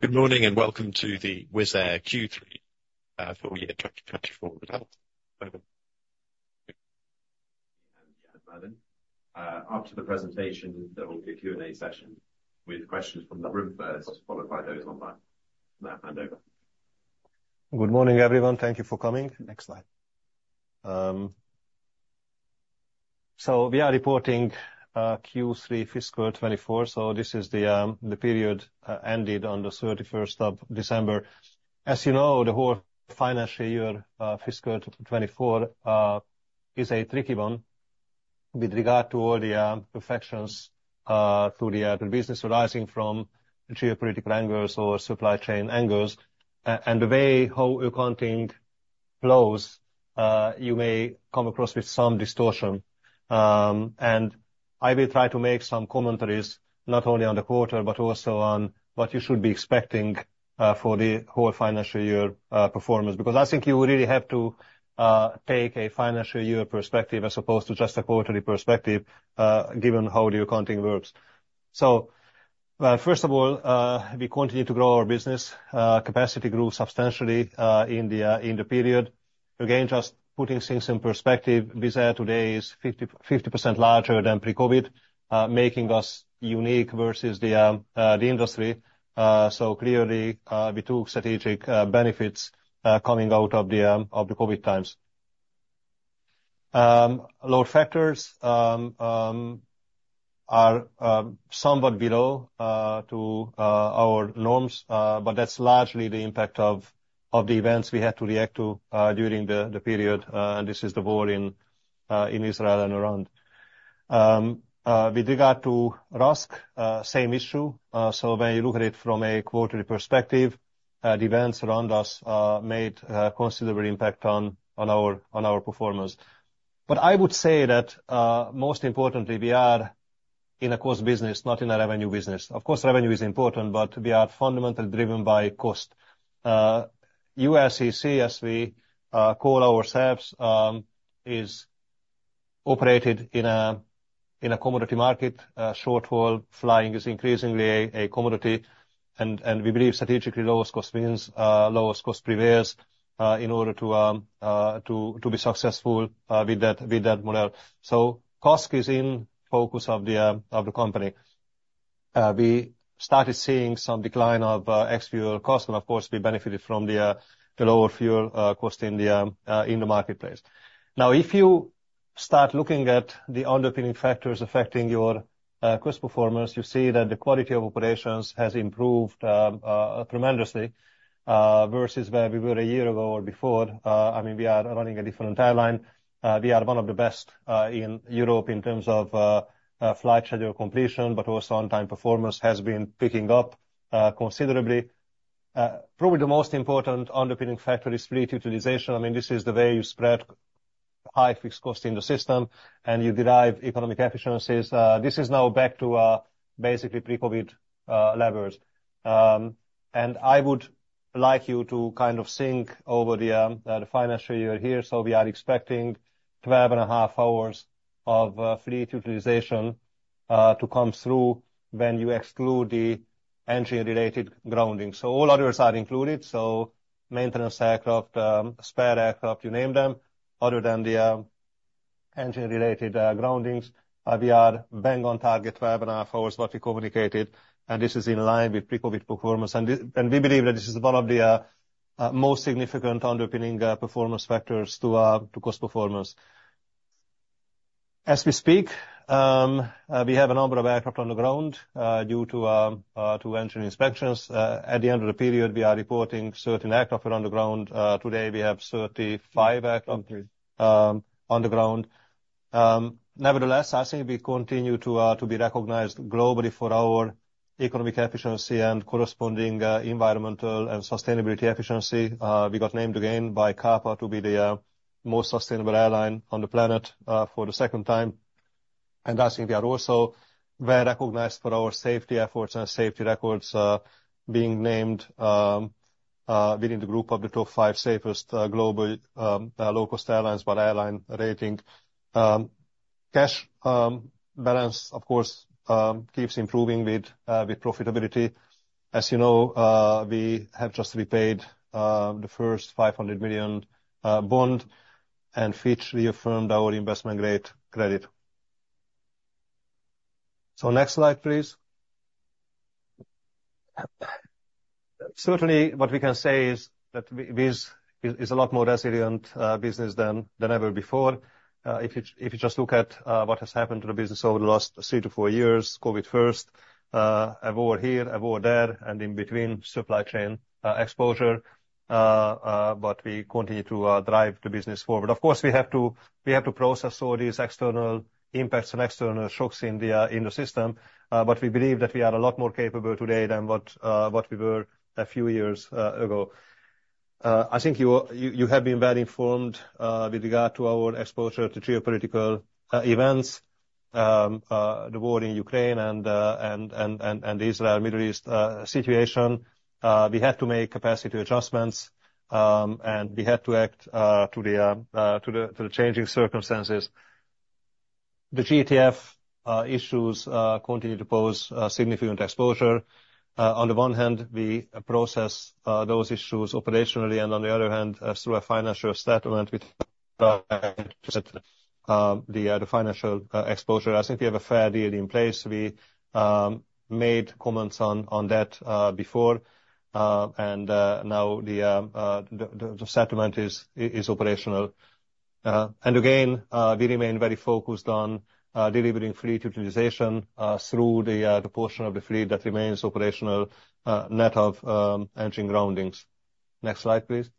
Good morning, and welcome to the Wizz Air Q3 full year 2024 result. Over. After the presentation, there will be a Q&A session with questions from the room first, followed by those online. Now, hand over. Good morning, everyone. Thank you for coming. Next slide. So we are reporting Q3 fiscal 2024, so this is the period ended on the 31st of December. As you know, the whole financial year fiscal 2024 is a tricky one with regard to all the imperfections through the air business arising from geopolitical angles or supply chain angles and the way how accounting flows, you may come across with some distortion. And I will try to make some commentaries, not only on the quarter, but also on what you should be expecting for the whole financial year performance. Because I think you really have to take a financial year perspective as opposed to just a quarterly perspective, given how the accounting works. So first of all, we continue to grow our business. Capacity grew substantially in the period. Again, just putting things in perspective, Wizz Air today is 50 percent larger than pre-COVID, making us unique versus the industry. So clearly, we took strategic benefits coming out of the COVID times. Load factors are somewhat below our norms, but that's largely the impact of the events we had to react to during the period, and this is the war in Israel and Gaza. With regard to RASK, same issue. So when you look at it from a quarterly perspective, the events around us made considerable impact on our performance. But I would say that, most importantly, we are in a cost business, not in a revenue business. Of course, revenue is important, but we are fundamentally driven by cost. ULCC, as we call ourselves, is operated in a commodity market. Short-haul flying is increasingly a commodity, and we believe strategically, lowest cost means lowest cost prevails in order to be successful with that model. So cost is in focus of the company. We started seeing some decline of ex-fuel cost, and of course, we benefited from the lower fuel cost in the marketplace. Now, if you start looking at the underpinning factors affecting your cost performance, you see that the quality of operations has improved tremendously versus where we were a year ago or before. I mean, we are running a different airline. We are one of the best in Europe in terms of flight schedule completion, but also on-time performance has been picking up considerably. Probably the most important underpinning factor is fleet utilization. I mean, this is the way you spread high fixed cost in the system, and you derive economic efficiencies. This is now back to basically pre-COVID levels. And I would like you to kind of think over the financial year here. So we are expecting 12.5 hours of fleet utilization to come through when you exclude the engine-related grounding. So all others are included, so maintenance aircraft, spare aircraft, you name them, other than the engine-related groundings. We are bang on target, 12.5 hours, what we communicated, and this is in line with pre-COVID performance. And this, and we believe that this is one of the most significant underpinning performance factors to cost performance. As we speak, we have a number of aircraft on the ground due to engine inspections. At the end of the period, we are reporting 30 aircraft on the ground. Today, we have 35 aircraft on the ground. Nevertheless, I think we continue to be recognized globally for our economic efficiency and corresponding environmental and sustainability efficiency. We got named again by CAPA to be the most sustainable airline on the planet for the second time. And I think we are also very recognized for our safety efforts and safety records, being named within the group of the top five safest global low-cost airlines by Airline Ratings. Cash balance, of course, keeps improving with profitability. As you know, we have just repaid the first 500 million bond, and Fitch reaffirmed our investment grade credit. So next slide, please. Certainly, what we can say is that Wizz is a lot more resilient business than ever before. If you just look at what has happened to the business over the last three to four years, COVID first, a war here, a war there, and in between, supply chain exposure. But we continue to drive the business forward. Of course, we have to process all these external impacts and external shocks in the system. But we believe that we are a lot more capable today than what we were a few years ago. I think you have been well informed with regard to our exposure to geopolitical events, the war in Ukraine and Israel, Middle East situation. We had to make capacity adjustments, and we had to act to the changing circumstances. The GTF issues continue to pose a significant exposure. On the one hand, we process those issues operationally, and on the other hand, through a financial settlement with the financial exposure. I think we have a fair deal in place. We made comments on that before. And now the settlement is operational. And again, we remain very focused on delivering fleet utilization through the portion of the fleet that remains operational, net of entering groundings. Next slide, please.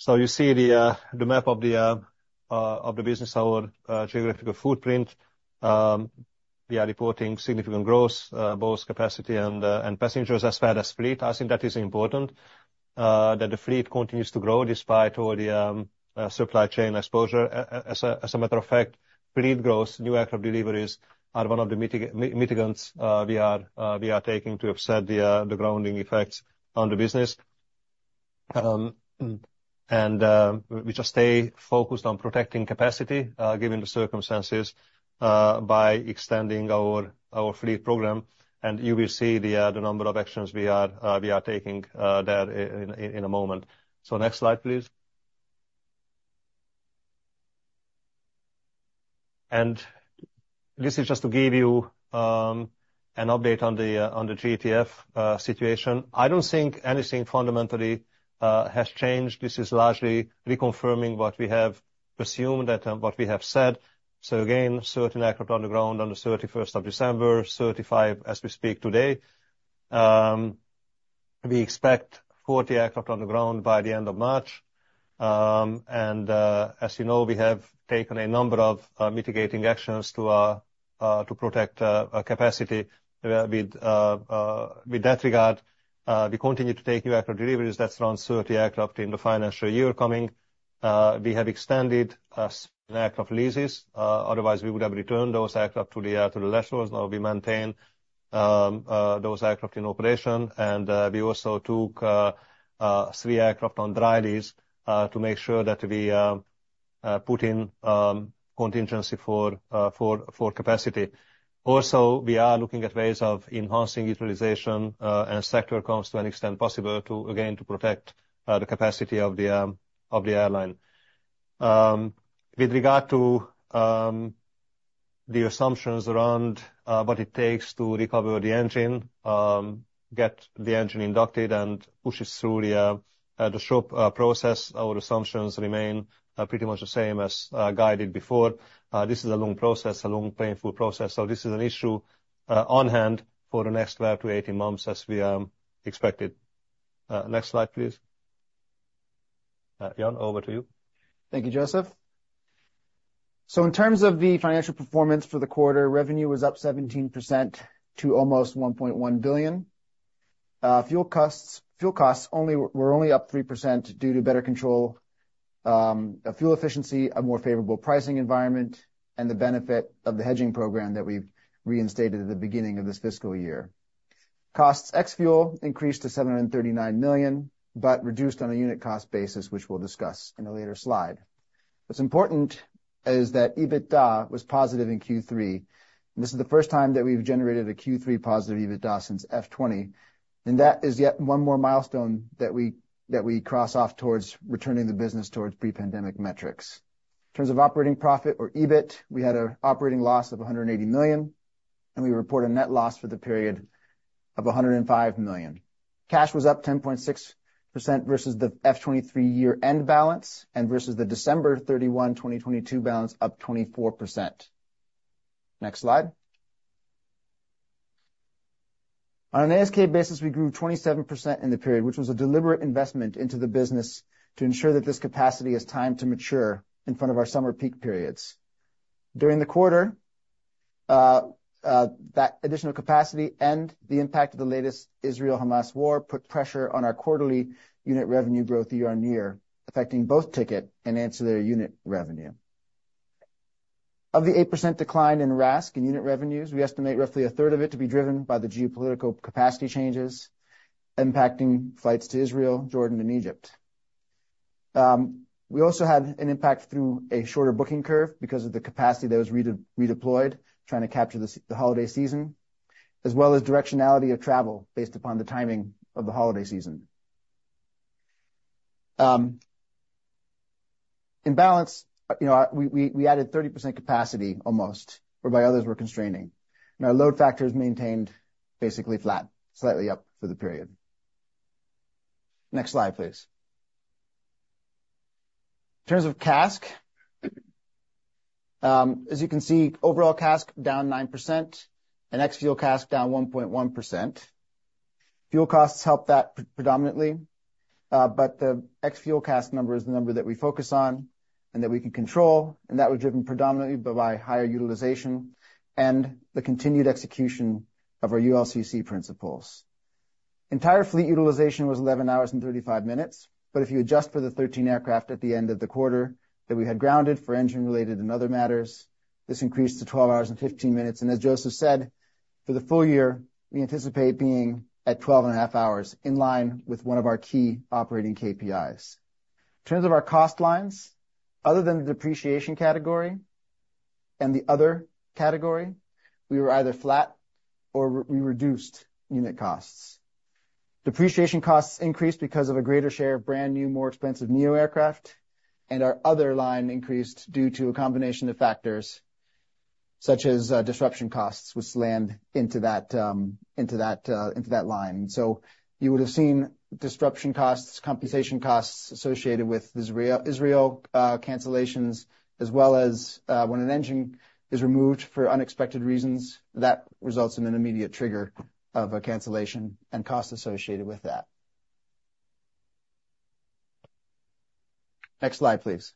So you see the map of the business, our geographical footprint. We are reporting significant growth, both capacity and passengers, as well as fleet. I think that is important, that the fleet continues to grow, despite all the supply chain exposure. As a matter of fact, fleet growth, new aircraft deliveries are one of the mitigants we are taking to offset the grounding effects on the business. We just stay focused on protecting capacity, given the circumstances, by extending our fleet program, and you will see the number of actions we are taking there in a moment. So next slide, please. And this is just to give you an update on the GTF situation. I don't think anything fundamentally has changed. This is largely reconfirming what we have presumed and, what we have said. So again, 30 aircraft on the ground on the 31st of December, 35 as we speak today. We expect 40 aircraft on the ground by the end of March. As you know, we have taken a number of mitigating actions to protect capacity with that regard, we continue to take new aircraft deliveries. That's around 30 aircraft in the financial year coming. We have extended aircraft leases. Otherwise, we would have returned those aircraft to the lessors. Now, we maintain those aircraft in operation, and we also took three aircraft on dry lease to make sure that we put in contingency for capacity. Also, we are looking at ways of enhancing utilization, and sectors to the extent possible to again protect the capacity of the airline. With regard to the assumptions around what it takes to recover the engine, get the engine inducted and push it through the shop process, our assumptions remain pretty much the same as guided before. This is a long process, a long, painful process, so this is an issue on hand for the next 12 months-18 months, as we expected. Next slide, please. Ian, over to you. Thank you, József. So in terms of the financial performance for the quarter, revenue was up 17% to almost 1.1 billion. Fuel costs, fuel costs only, were only up 3% due to better control, fuel efficiency, a more favorable pricing environment, and the benefit of the hedging program that we've reinstated at the beginning of this fiscal year. Costs, ex fuel, increased to 739 million, but reduced on a unit cost basis, which we'll discuss in a later slide. What's important is that EBITDA was positive in Q3. This is the first time that we've generated a Q3 positive EBITDA since FY 2020, and that is yet one more milestone that we, that we cross off towards returning the business towards pre-pandemic metrics. In terms of operating profit or EBIT, we had an operating loss of 180 million, and we report a net loss for the period of 105 million. Cash was up 10.6% versus the FY 2023 year-end balance, and versus the December 31, 2022 balance, up 24%. Next slide. On an ASK basis, we grew 27% in the period, which was a deliberate investment into the business to ensure that this capacity has time to mature in front of our summer peak periods. During the quarter, that additional capacity and the impact of the latest Israel-Hamas war put pressure on our quarterly unit revenue growth year on year, affecting both ticket and ancillary unit revenue. Of the 8% decline in RASK and unit revenues, we estimate roughly a third of it to be driven by the geopolitical capacity changes, impacting flights to Israel, Jordan, and Egypt. We also had an impact through a shorter booking curve because of the capacity that was redeployed, trying to capture the holiday season, as well as directionality of travel, based upon the timing of the holiday season. In balance, you know, we added 30% capacity almost, whereby others were constraining, and our load factor is maintained basically flat, slightly up for the period. Next slide, please. In terms of CASK, as you can see, overall CASK down 9% and ex-fuel CASK down 1.1%. Fuel costs help that predominantly, but the ex-fuel CASK number is the number that we focus on and that we can control, and that was driven predominantly by higher utilization and the continued execution of our ULCC principles. Entire fleet utilization was 11 hours and 35 minutes, but if you adjust for the 13 aircraft at the end of the quarter that we had grounded for engine related and other matters, this increased to 12 hours and 15 minutes, and as József said. For the full year, we anticipate being at 12.5 hours, in line with one of our key operating KPIs. In terms of our cost lines, other than the depreciation category and the other category, we were either flat or we reduced unit costs. Depreciation costs increased because of a greater share of brand new, more expensive neo aircraft, and our other line increased due to a combination of factors, such as disruption costs, which land into that line. So you would have seen disruption costs, compensation costs associated with Israel cancellations, as well as when an engine is removed for unexpected reasons, that results in an immediate trigger of a cancellation and costs associated with that. Next slide, please.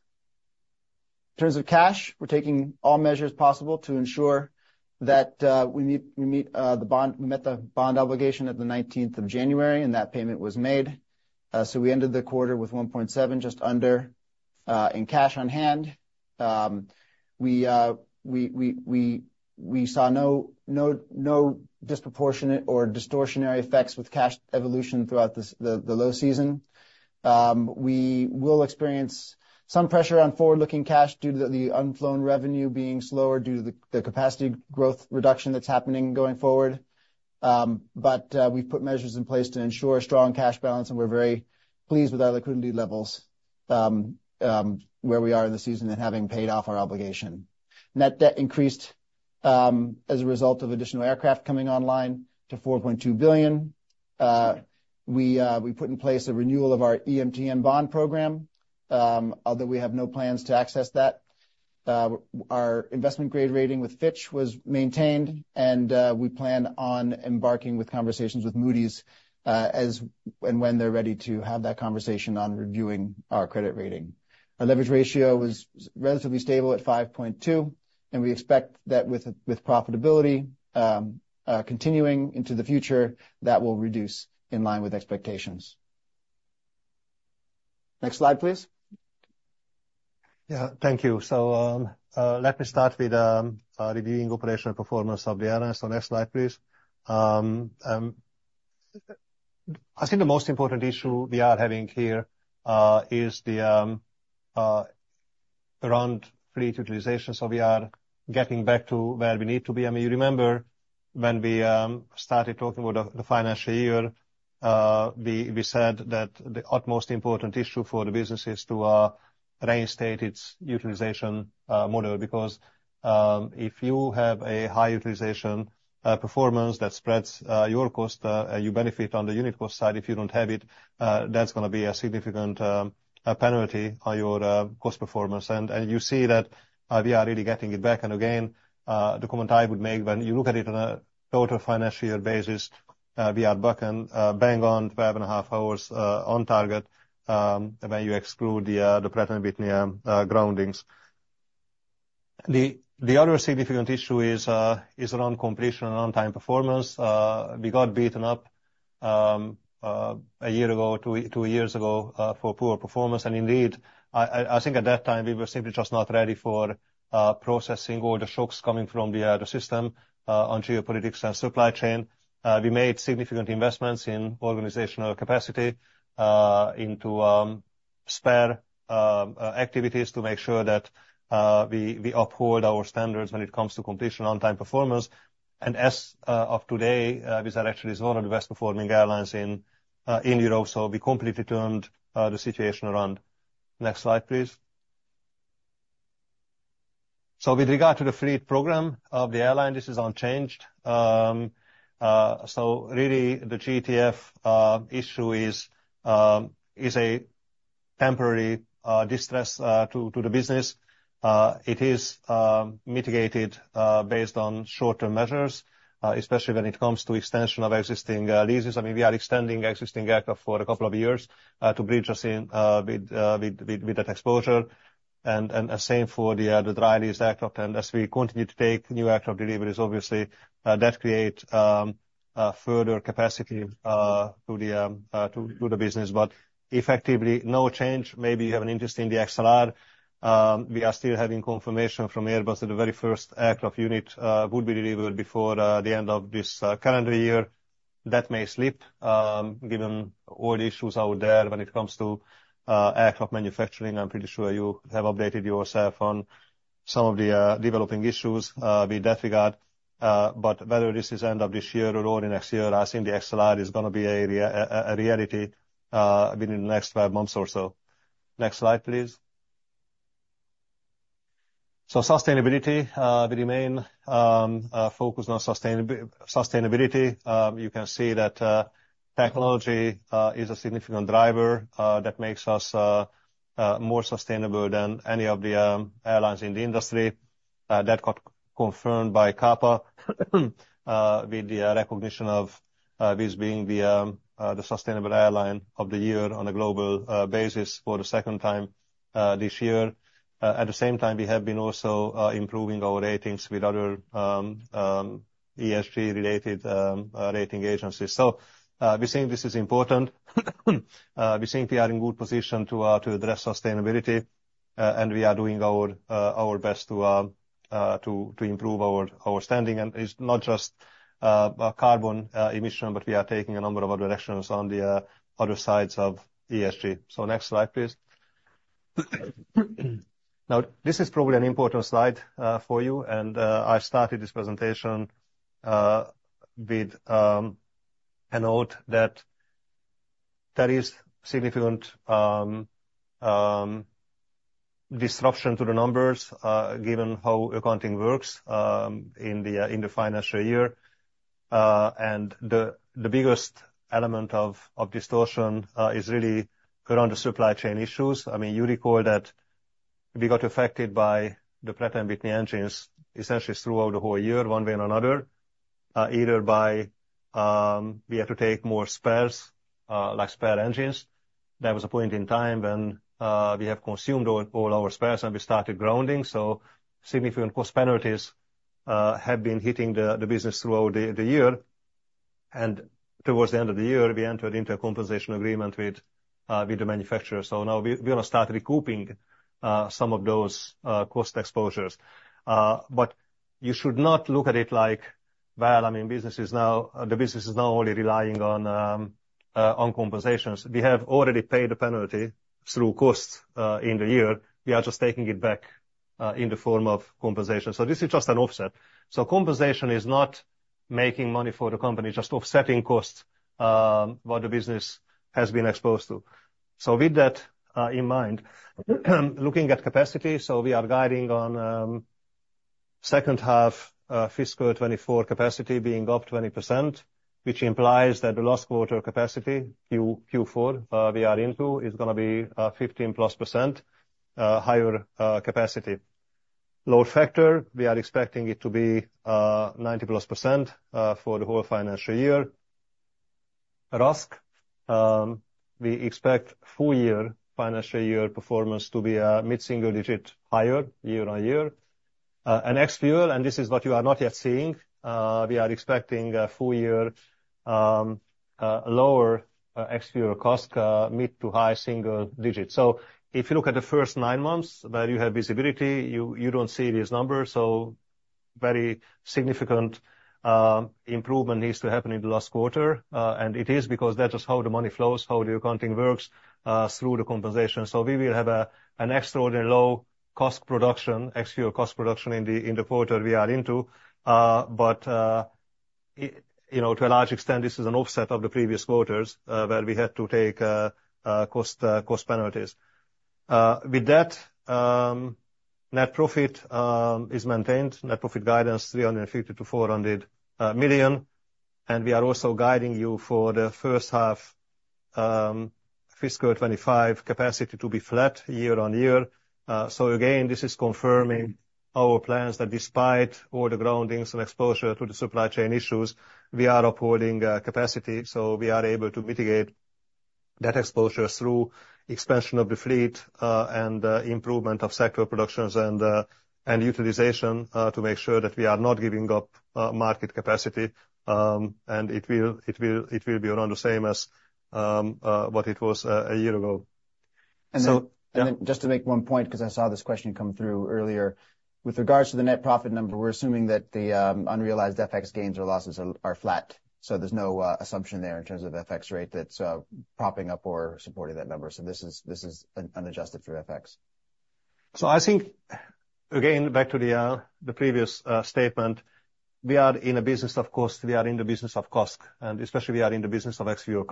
In terms of cash, we're taking all measures possible to ensure that we meet the bond obligation of the 19th of January, and that payment was made. So we ended the quarter with 1.7, just under, in cash on hand. We saw no disproportionate or distortionary effects with cash evolution throughout this, the low season. We will experience some pressure on forward-looking cash due to the unflowed revenue being slower due to the capacity growth reduction that's happening going forward. But we've put measures in place to ensure a strong cash balance, and we're very pleased with our liquidity levels, where we are in the season and having paid off our obligation. Net debt increased as a result of additional aircraft coming online to 4.2 billion. We put in place a renewal of our EMTN bond program, although we have no plans to access that. Our investment-grade rating with Fitch was maintained, and we plan on embarking with conversations with Moody's, as and when they're ready to have that conversation on reviewing our credit rating. Our leverage ratio was relatively stable at 5.2, and we expect that with profitability continuing into the future, that will reduce in line with expectations. Next slide, please. Yeah, thank you. So, let me start with reviewing operational performance of the airline. So next slide, please. I think the most important issue we are having here is the around fleet utilization, so we are getting back to where we need to be. I mean, you remember when we started talking about the financial year, we said that the utmost important issue for the business is to reinstate its utilization model. Because if you have a high utilization performance that spreads your cost, you benefit on the unit cost side. If you don't have it, that's going to be a significant penalty on your cost performance. And you see that we are really getting it back. Again, the comment I would make, when you look at it on a total financial year basis, we are back and bang on 5.5 hours on target, when you exclude the Pratt & Whitney groundings. The other significant issue is around completion and on-time performance. We got beaten up a year ago, two years ago, for poor performance, and indeed, I think at that time, we were simply just not ready for processing all the shocks coming from the system on geopolitics and supply chain. We made significant investments in organizational capacity into spare activities, to make sure that we uphold our standards when it comes to completion and on-time performance. As of today, we are actually one of the best performing airlines in Europe, so we completely turned the situation around. Next slide, please. So with regard to the fleet program of the airline, this is unchanged. So really, the GTF issue is a temporary distress to the business. It is mitigated based on short-term measures, especially when it comes to extension of existing leases. I mean, we are extending existing aircraft for a couple of years to bridge us in with that exposure. And the same for the dry lease aircraft. And as we continue to take new aircraft deliveries, obviously, that create further capacity to the business. But effectively, no change. Maybe you have an interest in the XLR. We are still having confirmation from Airbus that the very first aircraft unit would be delivered before the end of this calendar year. That may slip, given all the issues out there when it comes to aircraft manufacturing. I'm pretty sure you have updated yourself on some of the developing issues with that regard. But whether this is end of this year or early next year, I think the XLR is going to be a reality within the next five months or so. Next slide, please. So sustainability, we remain focused on sustainability. You can see that technology is a significant driver that makes us more sustainable than any of the airlines in the industry. That got confirmed by CAPA with the recognition of this being the sustainable airline of the year on a global basis for the second time this year. At the same time, we have been also improving our ratings with other ESG-related rating agencies. So, we think this is important. We think we are in good position to address sustainability and we are doing our best to improve our standing. And it's not just carbon emission, but we are taking a number of other directions on the other sides of ESG. So next slide, please. Now, this is probably an important slide for you, and I started this presentation with a note that there is significant disruption to the numbers given how accounting works in the financial year. And the biggest element of distortion is really around the supply chain issues. I mean, you recall that we got affected by the Pratt & Whitney engines essentially throughout the whole year, one way or another, either by we had to take more spares like spare engines. There was a point in time when we have consumed all our spares, and we started grounding. So significant cost penalties have been hitting the business throughout the year, and towards the end of the year, we entered into a compensation agreement with the manufacturer. So now we're going to start recouping some of those cost exposures. But you should not look at it like, well, I mean, business is now the business is now only relying on, on compensations. We have already paid the penalty through costs in the year. We are just taking it back in the form of compensation. So this is just an offset. So compensation is not making money for the company, just offsetting costs what the business has been exposed to. So with that in mind, looking at capacity, so we are guiding on second half fiscal 2024 capacity being up 20%, which implies that the last quarter capacity, Q4, we are into, is going to be 15%+ higher capacity. Load factor, we are expecting it to be +90% for the whole financial year. RASK, we expect full year, financial year performance to be mid-single-digit higher year-on-year. And xFuel, and this is what you are not yet seeing, we are expecting a full year lower xFuel CASK mid- to high-single-digits. So if you look at the first nine months where you have visibility, you don't see these numbers, so very significant improvement needs to happen in the last quarter. And it is because that is how the money flows, how the accounting works through the compensation. So we will have an extraordinary low-cost production, xFuel cost production, in the quarter we are into. But, it, you know, to a large extent, this is an offset of the previous quarters, where we had to take cost penalties. With that, net profit is maintained. Net profit guidance 350 million-400 million, and we are also guiding you for the first half, fiscal 2025 capacity to be flat year-on-year. So again, this is confirming our plans, that despite all the groundings and exposure to the supply chain issues, we are upholding capacity, so we are able to mitigate that exposure through expansion of the fleet, and improvement of sector productions and utilization, to make sure that we are not giving up market capacity. And it will be around the same as what it was a year ago. And then- So- Then just to make one point, 'cause I saw this question come through earlier. With regards to the net profit number, we're assuming that the unrealized FX gains or losses are flat. So there's no assumption there in terms of FX rate that's propping up or supporting that number. So this is unadjusted for FX. So I think, again, back to the previous statement, we are in a business of cost. We are in the business of CASK, and especially we are in the business of ex-fuel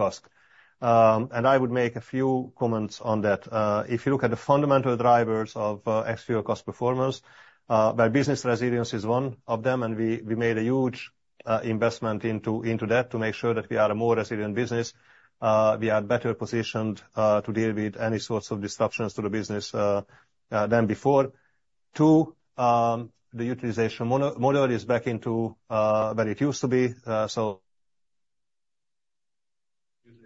cost. And I would make a few comments on that. If you look at the fundamental drivers of ex-fuel cost performance, where business resilience is one of them, and we made a huge investment into that to make sure that we are a more resilient business. We are better positioned to deal with any sorts of disruptions to the business than before. Two, the utilization module is back into where it used to be, so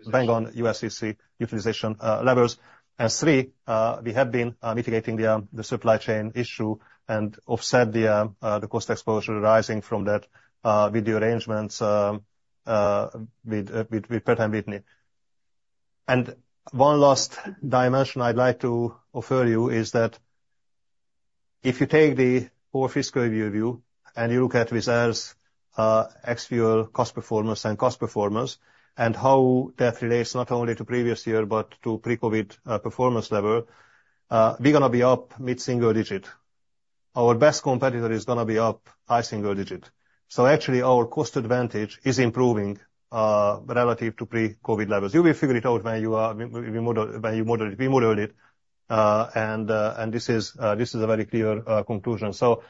Usage. bang on ULCC utilization levels. And three, we have been mitigating the supply chain issue and offset the cost exposure arising from that with the arrangements with Pratt & Whitney. And one last dimension I'd like to offer you is that if you take the whole fiscal year view, and you look at reserves ex-fuel cost performance and cost performance, and how that relates not only to previous year but to pre-COVID performance level, we're going to be up mid-single digit. Our best competitor is going to be up high single digit. So actually, our cost advantage is improving relative to pre-COVID levels. You will figure it out when you model it, we model it, and this is a very clear conclusion. So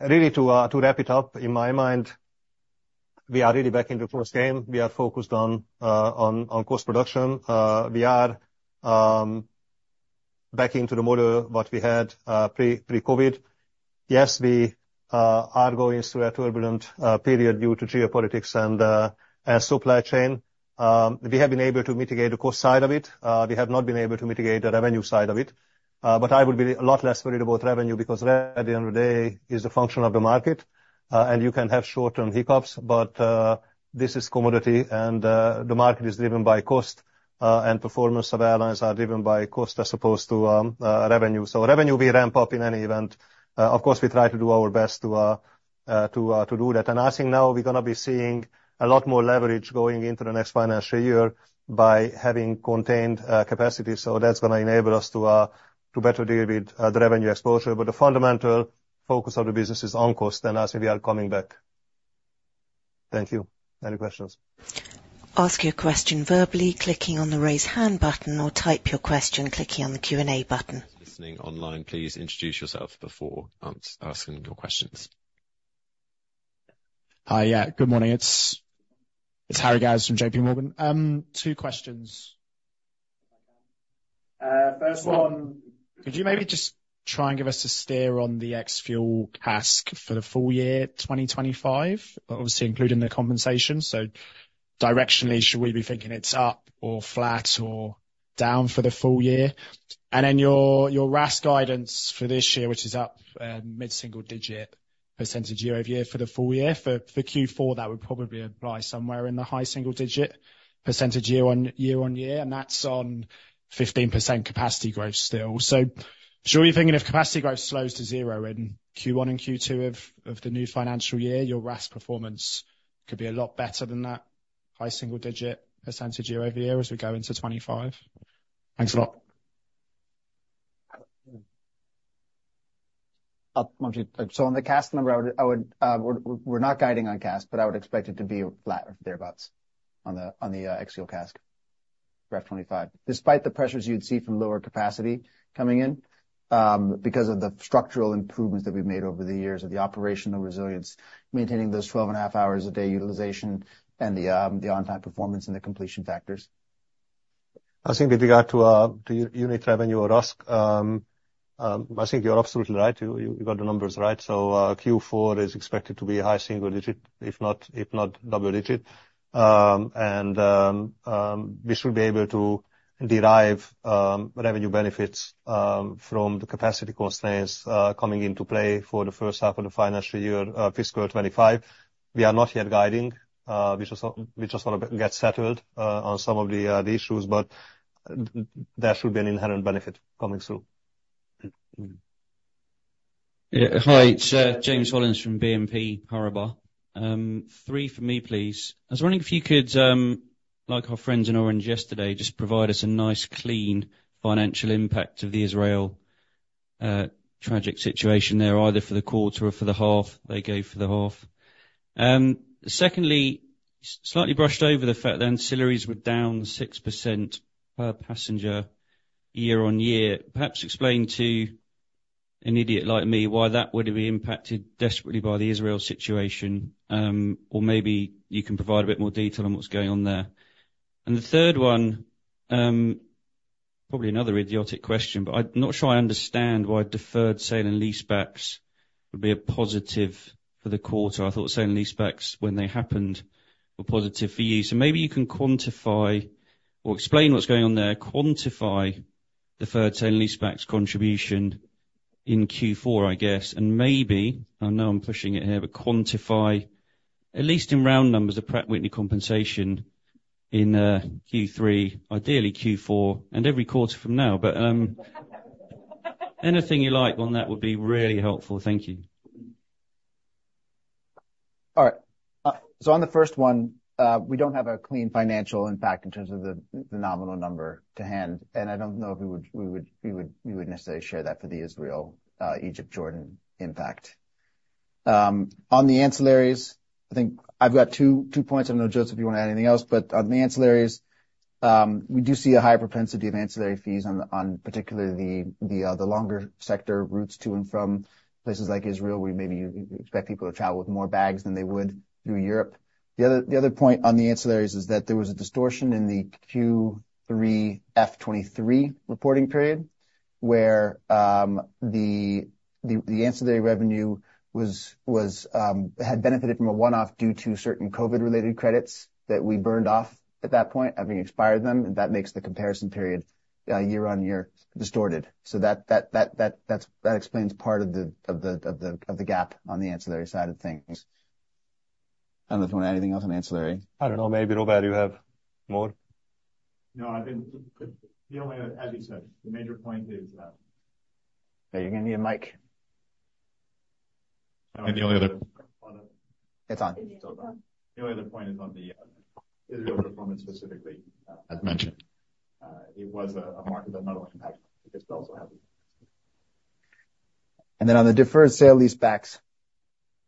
really to wrap it up, in my mind, we are really back in the first game. We are focused on cost production. We are back into the model what we had pre-COVID. Yes, we are going through a turbulent period due to geopolitics and supply chain. We have been able to mitigate the cost side of it. We have not been able to mitigate the revenue side of it, but I would be a lot less worried about revenue, because revenue, at the end of the day, is a function of the market. And you can have short-term hiccups, but this is commodity, and the market is driven by cost. And performance of airlines are driven by cost as opposed to revenue. So revenue will ramp up in any event. Of course, we try to do our best to do that. And I think now we're going to be seeing a lot more leverage going into the next financial year by having contained capacity, so that's going to enable us to better deal with the revenue exposure. But the fundamental focus of the business is on cost, and I say we are coming back. Thank you. Any questions? Ask your question verbally, clicking on the Raise Hand button, or type your question, clicking on the Q&A button.... listening online, please introduce yourself before asking your questions. Hi, yeah. Good morning, it's Harry Gowers from J.P. Morgan. Two questions. First one, could you maybe just try and give us a steer on the ex-fuel CASK for the full year, 2025, obviously including the compensation? So directionally, should we be thinking it's up or flat or down for the full year? And then your RASK guidance for this year, which is up mid-single-digit % year-over-year for the full year. For Q4, that would probably apply somewhere in the high single-digit % year-on-year, and that's on 15% capacity growth still. So should we be thinking if capacity growth slows to zero in Q1 and Q2 of the new financial year, your RASK performance could be a lot better than that high single-digit % year-over-year as we go into 2025? Thanks a lot. So on the CASK number, I would we're not guiding on CASK, but I would expect it to be flat or thereabouts on the ex-fuel CASK, for FY 2025. Despite the pressures you'd see from lower capacity coming in, because of the structural improvements that we've made over the years, and the operational resilience, maintaining those 12.5 hours a day utilization and the on-time performance and the completion factors. I think with regard to, to unit revenue or RASK, I think you're absolutely right. You, you got the numbers right, so, Q4 is expected to be high single digit, if not, if not double digit. We should be able to derive, revenue benefits, from the capacity constraints, coming into play for the first half of the financial year, fiscal 2025. We are not yet guiding. We just, we just want to get settled, on some of the, the issues, but there should be an inherent benefit coming through. Yeah. Hi, it's James Hollins from BNP Paribas. Three for me, please. I was wondering if you could, like our friends in Orange yesterday, just provide us a nice, clean financial impact of the Israel tragic situation there, either for the quarter or for the half. They gave for the half. Secondly, slightly brushed over the fact that ancillaries were down 6% per passenger year-on-year. Perhaps explain to an idiot like me why that would be impacted desperately by the Israel situation, or maybe you can provide a bit more detail on what's going on there. And the third one, probably another idiotic question, but I'm not sure I understand why deferred sale and leasebacks would be a positive for the quarter. I thought sale and leasebacks, when they happened, were positive for you. So maybe you can quantify or explain what's going on there, quantify the third sale and leasebacks contribution in Q4, I guess. And maybe, I know I'm pushing it here, but quantify, at least in round numbers, the Pratt & Whitney compensation in Q3, ideally Q4, and every quarter from now. But anything you like on that would be really helpful. Thank you. All right. So on the first one, we don't have a clean financial impact in terms of the nominal number to hand, and I don't know if we would necessarily share that for the Israel, Egypt, Jordan impact. On the ancillaries, I think I've got two points. I don't know, József, if you want to add anything else, but on the ancillaries, we do see a high propensity of ancillary fees on particularly the longer sector routes to and from places like Israel, where maybe you expect people to travel with more bags than they would through Europe. The other point on the ancillaries is that there was a distortion in the Q3 FY 2023 reporting period, where the ancillary revenue had benefited from a one-off due to certain COVID-related credits that we burned off at that point, having expired them, and that makes the comparison period year-on-year distorted. So that explains part of the gap on the ancillary side of things. I don't know if you want to add anything else on ancillary. I don't know. Maybe, Robert, you have more? No, I think the only, as you said, the major point is that- Yeah, you're going to need a mic. And the only other- It's on. The only other point is on the Israel performance, specifically. As mentioned. It was a market that not only impact, because they also have it. Then on the deferred sale leasebacks,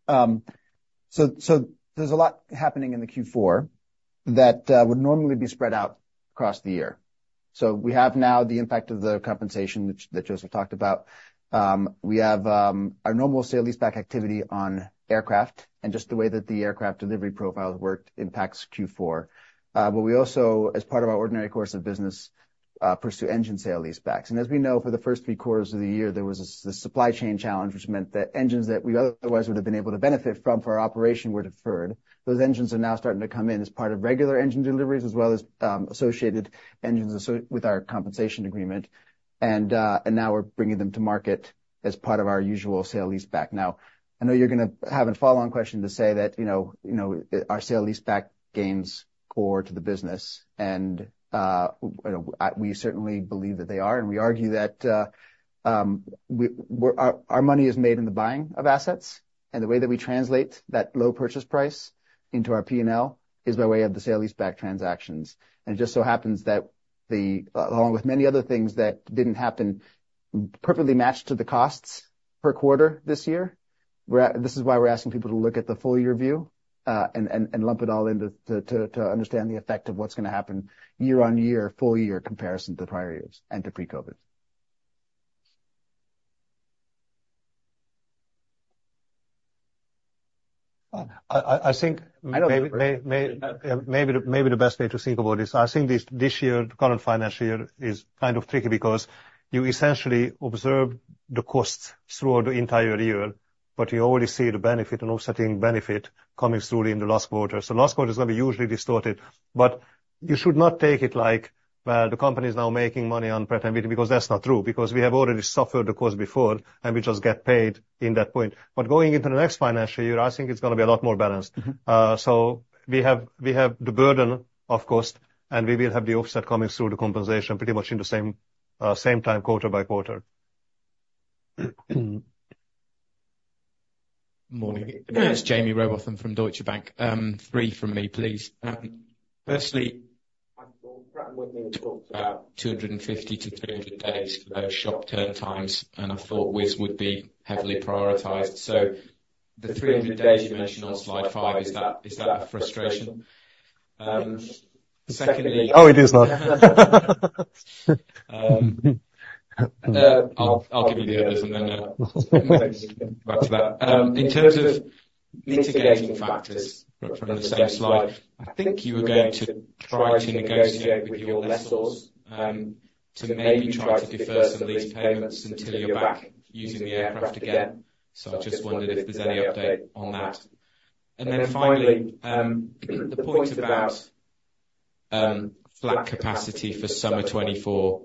so there's a lot happening in the Q4 that would normally be spread out across the year. So we have now the impact of the compensation, which that Joseph talked about. We have our normal sale leaseback activity on aircraft, and just the way that the aircraft delivery profile worked impacts Q4. But we also, as part of our ordinary course of business, pursue engine sale leasebacks. And as we know, for the first three quarters of the year, there was a supply chain challenge, which meant that engines that we otherwise would have been able to benefit from for our operation were deferred. Those engines are now starting to come in as part of regular engine deliveries, as well as associated engines with our compensation agreement, and, and now we're bringing them to market as part of our usual sale leaseback. Now, I know you're going to have a follow-on question to say that, you know, you know, our sale leaseback gains core to the business, and we certainly believe that they are, and we argue that, our, our money is made in the buying of assets, and the way that we translate that low purchase price into our P and L is by way of the sale leaseback transactions. And it just so happens that the, along with many other things that didn't happen, perfectly matched to the costs per quarter this year. We're this is why we're asking people to look at the full year view, and lump it all in to understand the effect of what's going to happen year on year, full year comparison to the prior years and to pre-COVID. I think- I know- Maybe the best way to think about this, I think this year, the current financial year, is kind of tricky because you essentially observe the costs throughout the entire year, but you only see the benefit and offsetting benefit coming through in the last quarter. So the last quarter is going to be usually distorted, but you should not take it like, well, the company is now making money on Britain, because that's not true, because we have already suffered the cost before, and we just get paid in that point. But going into the next financial year, I think it's going to be a lot more balanced. Mm-hmm. So we have, we have the burden of cost, and we will have the offset coming through the compensation pretty much in the same, same time, quarter by quarter. Morning. It's Jaime Rowbotham from Deutsche Bank. Three from me, please. Firstly, I thought Pratt talked about 250-300 days for those shop turn times, and I thought Wizz would be heavily prioritized. So the 300 days you mentioned on slide 5, is that a frustration? Secondly- Oh, it is not. I'll give you the others, and then back to that. In terms of mitigating factors from the same slide, I think you were going to try to negotiate with your lessors to maybe try to defer some of these payments until you're back using the aircraft again. So I just wondered if there's any update on that. And then finally, the point about flat capacity for summer 2024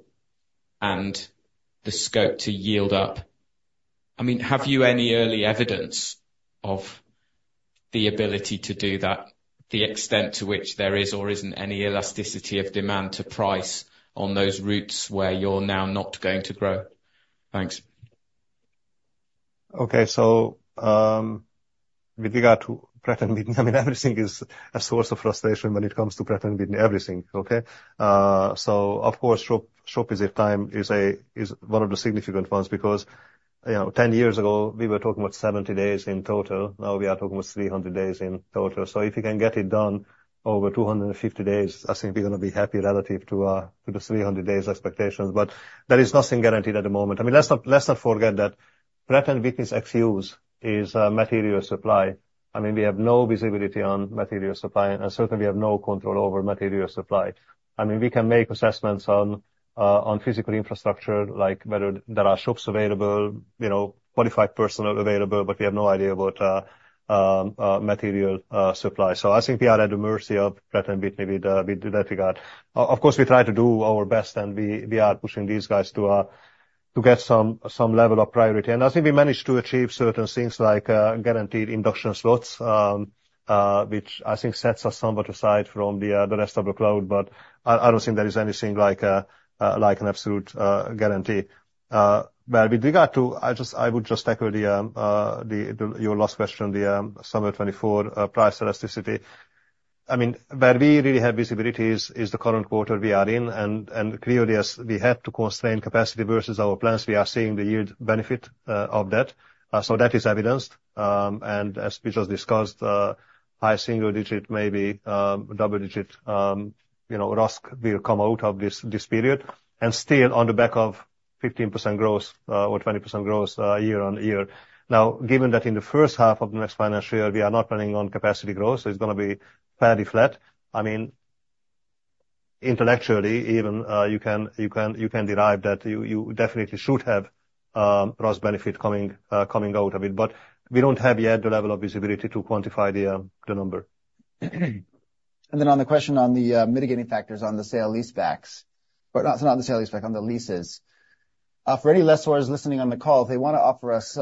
and the scope to yield up. I mean, have you any early evidence of the ability to do that, the extent to which there is or isn't any elasticity of demand to price on those routes where you're now not going to grow? Thanks. Okay. So, with regard to Britain, I mean, everything is a source of frustration when it comes to Britain, everything. Okay? So of course, slot, slot is a time, is a, is one of the significant ones because, you know, 10 years ago, we were talking about 70 days in total, now we are talking about 300 days in total. So if you can get it done over 250 days, I think we're going to be happy relative to, to the 300 days expectations. But there is nothing guaranteed at the moment. I mean, let's not, let's not forget that Britain with Brexit issues is, material supply. I mean, we have no visibility on material supply, and certainly we have no control over material supply. I mean, we can make assessments on, on physical infrastructure, like whether there are shops available, you know, qualified personnel available, but we have no idea about, material, supply. So I think we are at the mercy of Pratt & Whitney, with, with that regard. Of course, we try to do our best, and we, we are pushing these guys to, to get some, some level of priority. And I think we managed to achieve certain things like, guaranteed induction slots, which I think sets us somewhat aside from the, the rest of the crowd. But I, I don't think there is anything like, like an absolute, guarantee. But with regard to I just, I would just echo the, the, your last question, the, summer 2024, price elasticity. I mean, where we really have visibility is the current quarter we are in, and clearly, as we had to constrain capacity versus our plans, we are seeing the yield benefit of that. So that is evidenced, and as we just discussed, high single-digit, maybe double-digit, you know, RASK, will come out of this period, and still on the back of 15% growth or 20% growth year-on-year. Now, given that in the first half of the next financial year, we are not planning on capacity growth, so it's going to be fairly flat. I mean, intellectually, even, you can derive that you definitely should have RASK benefit coming out of it. But we don't have yet the level of visibility to quantify the number. And then on the question on the mitigating factors on the sale-leasebacks, but not, not the sale-leaseback, on the leases. For any lessors listening on the call, if they want to offer us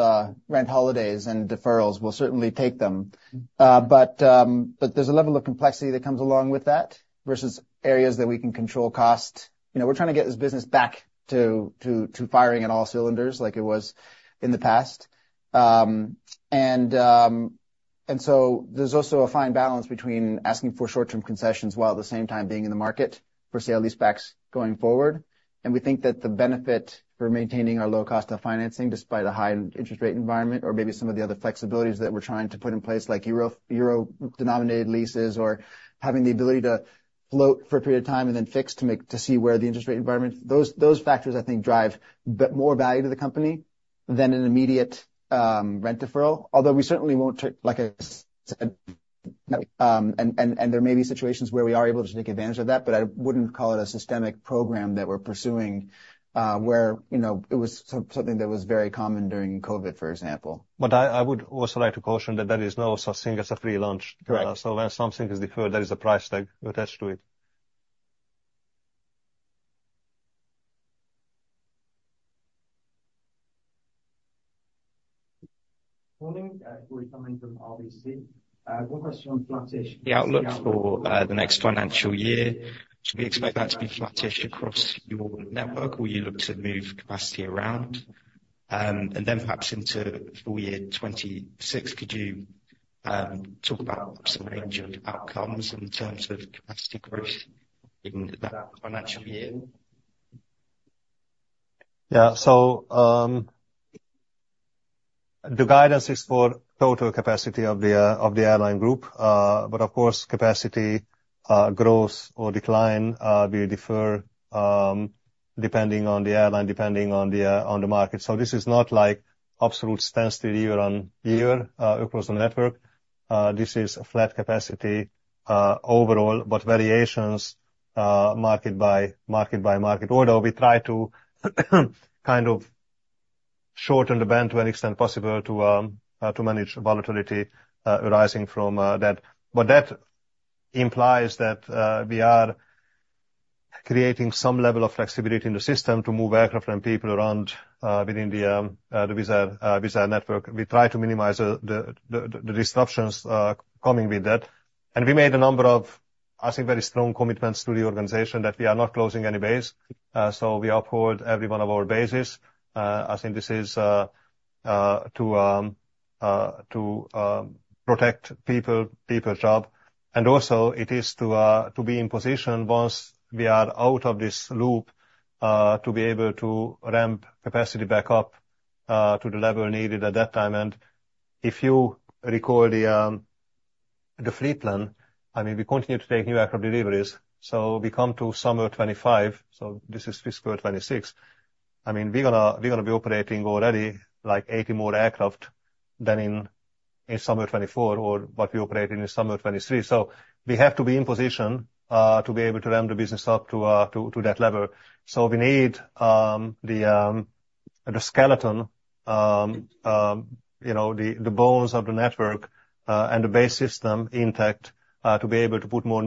rent holidays and deferrals, we'll certainly take them. But there's a level of complexity that comes along with that versus areas that we can control cost. You know, we're trying to get this business back to, to, to firing on all cylinders like it was in the past. And so there's also a fine balance between asking for short-term concessions while at the same time being in the market for sale-leasebacks going forward. We think that the benefit for maintaining our low cost of financing, despite a high interest rate environment, or maybe some of the other flexibilities that we're trying to put in place, like euro, euro-denominated leases, or having the ability to float for a period of time and then fix to see where the interest rate environment, those factors, I think, drive more value to the company than an immediate rent deferral. Although we certainly won't take, like I said, and there may be situations where we are able to take advantage of that, but I wouldn't call it a systemic program that we're pursuing, where, you know, it was something that was very common during COVID, for example. But I would also like to caution that there is no such thing as a free lunch. Correct. When something is deferred, there is a price tag attached to it. Morning, we're coming from RBC. One question on flattish, the outlook for, the next financial year. Should we expect that to be flattish across your network, or you look to move capacity around? And then perhaps into full year 2026, could you, talk about some range of outcomes in terms of capacity growth in that financial year?... Yeah, so, the guidance is for total capacity of the airline group. But of course, capacity growth or decline will differ depending on the airline, depending on the market. So this is not like absolute stance year-on-year across the network. This is a flat capacity overall, but variations market by market order. We try to kind of shorten the band to an extent possible to manage volatility arising from that. But that implies that we are creating some level of flexibility in the system to move aircraft and people around within the Wizz Air network. We try to minimize the disruptions coming with that. We made a number of, I think, very strong commitments to the organization that we are not closing any base. So we uphold every one of our bases. I think this is to protect people, people's job, and also it is to be in position once we are out of this loop, to be able to ramp capacity back up, to the level needed at that time. If you recall the fleet plan, I mean, we continue to take new aircraft deliveries, so we come to summer 2025, so this is fiscal 2026. I mean, we're going to, we're going to be operating already like 80 more aircraft than in summer 2024 or what we operate in summer 2023. So we have to be in position to be able to ramp the business up to that level. So we need the skeleton, you know, the bones of the network and the base system intact to be able to put more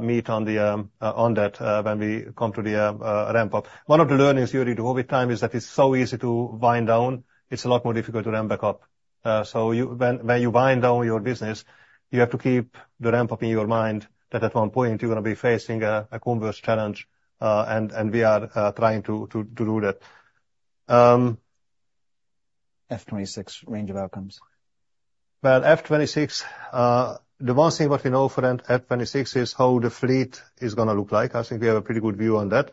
meat on that when we come to the ramp up. One of the learnings during the COVID time is that it's so easy to wind down. It's a lot more difficult to ramp back up. So you, when you wind down your business, you have to keep the ramp up in your mind, that at one point you're going to be facing a converse challenge. And we are trying to do that. FY26 range of outcomes. Well, FY26, the one thing what we know for FY26 is how the fleet is going to look like. I think we have a pretty good view on that.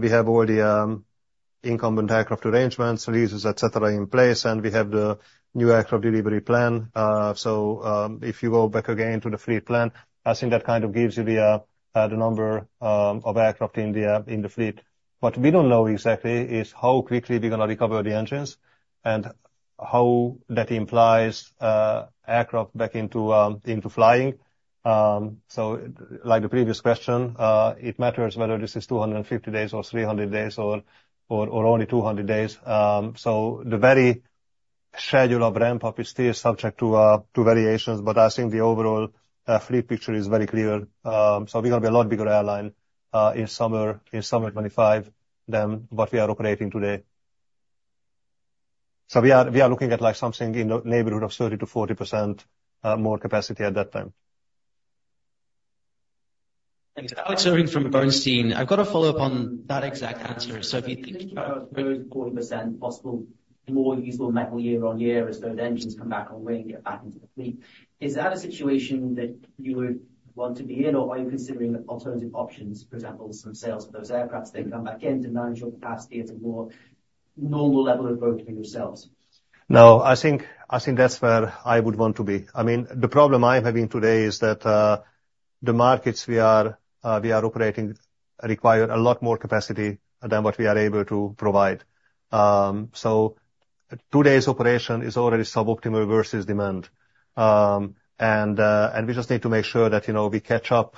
We have already incumbent aircraft arrangements, leases, et cetera, in place, and we have the new aircraft delivery plan. So, if you go back again to the fleet plan, I think that kind of gives you the number of aircraft in the fleet. What we don't know exactly is how quickly we're going to recover the engines and how that implies aircraft back into flying. So like the previous question, it matters whether this is 250 days or 300 days or only 200 days. So the very schedule of ramp up is still subject to variations, but I think the overall fleet picture is very clear. So we're going to be a lot bigger airline in summer 2025 than what we are operating today. So we are looking at like something in the neighborhood of 30%-40% more capacity at that time. Thanks. Alex Irving from Bernstein. I've got a follow-up on that exact answer. So if you think about 30%-40% possible, more usable metal year-over-year as those engines come back on wing, get back into the fleet, is that a situation that you would want to be in, or are you considering alternative options, for example, some sales of those aircraft so they can come back in to manage your capacity at a more normal level of growth for yourselves? No, I think, I think that's where I would want to be. I mean, the problem I'm having today is that, the markets we are, we are operating require a lot more capacity than what we are able to provide. So today's operation is already suboptimal versus demand. And, and we just need to make sure that, you know, we catch up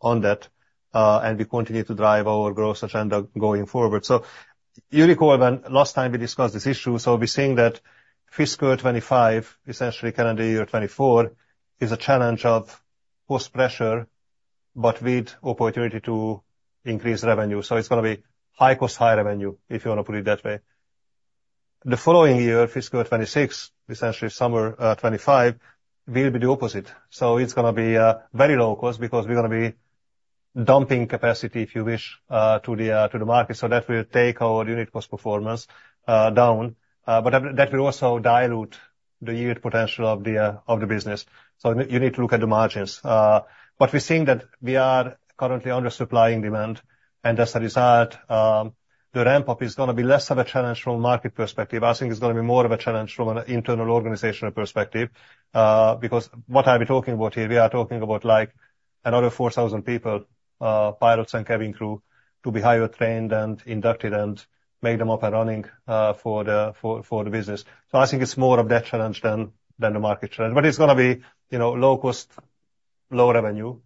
on that, and we continue to drive our growth agenda going forward. So you recall when last time we discussed this issue, so we're seeing that fiscal 2025, essentially calendar year 2024, is a challenge of cost pressure, but with opportunity to increase revenue. So it's going to be high cost, high revenue, if you want to put it that way. The following year, fiscal 2026, essentially summer, 2025, will be the opposite. So it's going to be very low cost because we're going to be dumping capacity, if you wish, to the market. So that will take our unit cost performance down, but that will also dilute the yield potential of the business. So you need to look at the margins. But we're seeing that we are currently under supplying demand, and as a result, the ramp-up is going to be less of a challenge from a market perspective. I think it's going to be more of a challenge from an internal organizational perspective, because what are we talking about here? We are talking about, like, another 4,000 people, pilots and cabin crew, to be hired, trained, and inducted and make them up and running, for the business. I think it's more of that challenge than the market challenge, but it's going to be, you know, low cost, low revenue,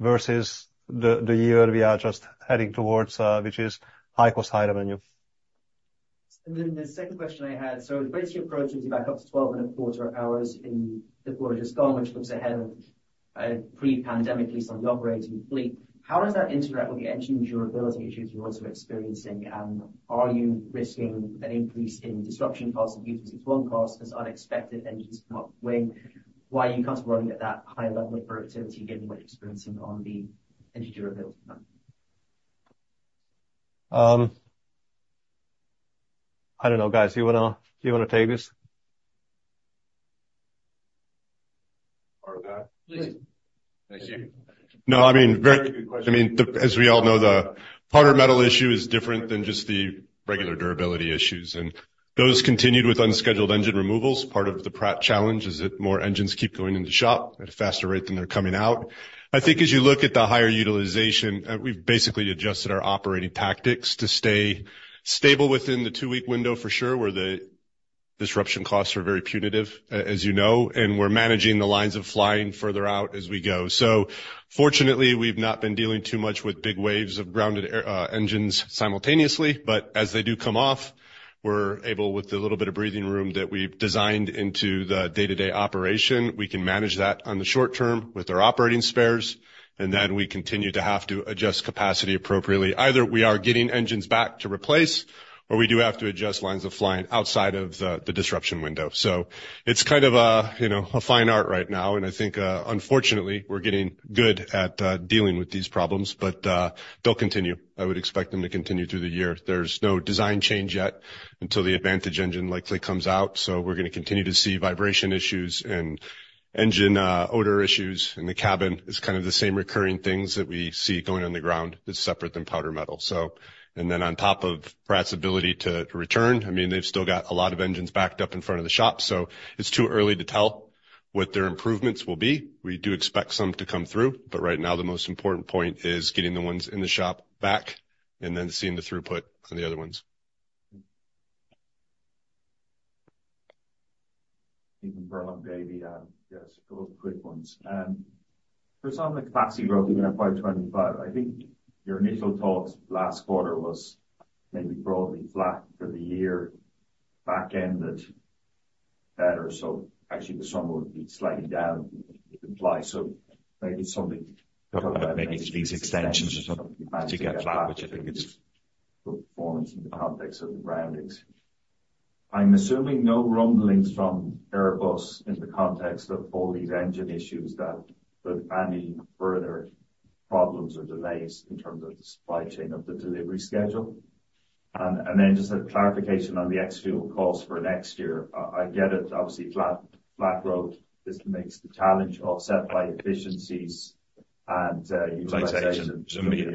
versus the year we are just heading towards, which is high cost, high revenue. And then the second question I had, so the basic approach brings you back up to 12.25 hours in the quarter just gone, which looks ahead of pre-pandemically on the operating fleet. How does that interact with the engine durability issues you're also experiencing? And are you risking an increase in disruption costs and using unit costs as unexpected engines come off wing? Why are you comfortable running at that high level of productivity given what you're experiencing on the engine durability front? I don't know, guys. Do you wanna take this? Please. Thank you. No, I mean, very good question. I mean, the as we all know, the powder metal issue is different than just the regular durability issues, and those continued with unscheduled engine removals. Part of the Pratt challenge is that more engines keep going in the shop at a faster rate than they're coming out. I think as you look at the higher utilization, we've basically adjusted our operating tactics to stay stable within the two-week window for sure, where the disruption costs are very punitive, as you know, and we're managing the lines of flying further out as we go. So fortunately, we've not been dealing too much with big waves of grounded engines simultaneously, but as they do come off, we're able, with the little bit of breathing room that we've designed into the day-to-day operation, we can manage that on the short term with our operating spares, and then we continue to have to adjust capacity appropriately. Either we are getting engines back to replace, or we do have to adjust lines of flying outside of the disruption window. So it's kind of a, you know, a fine art right now, and I think, unfortunately, we're getting good at dealing with these problems, but, they'll continue. I would expect them to continue through the year. There's no design change yet until the Advantage engine likely comes out, so we're going to continue to see vibration issues and engine, odor issues in the cabin. It's kind of the same recurring things that we see going on the ground that's separate than powder metal. So, and then on top of Pratt's ability to, to return, I mean, they've still got a lot of engines backed up in front of the shop, so it's too early to tell what their improvements will be. We do expect some to come through, but right now the most important point is getting the ones in the shop back and then seeing the throughput on the other ones. Even for a long baby, yes, those quick ones. For some, the capacity growth in FY25, I think your initial thoughts last quarter was maybe broadly flat for the year, back-ended better. So actually, the sum would be slightly down in reply. So maybe something- Talk about making these extensions or something to get flat, which I think is- Performance in the context of the groundings. I'm assuming no rumblings from Airbus in the context of all these engine issues that would add any further problems or delays in terms of the supply chain of the delivery schedule. And then just a clarification on the ex-fuel costs for next year. I get it, obviously flat, flat growth, this makes the challenge offset by efficiencies and Utilisation, presumably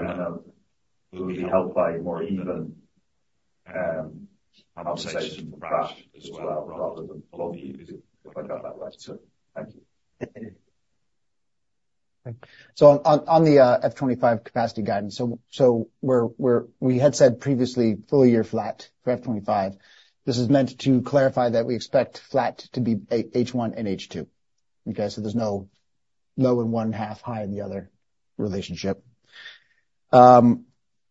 - will be helped by more even, conversation for Pratt as well, rather than if I got that right. So thank you. So on the FY25 capacity guidance, so we're—we had said previously, full year flat for FY25. This is meant to clarify that we expect flat to be a H1 and H2. Okay, so there's no low in one half, high in the other relationship. I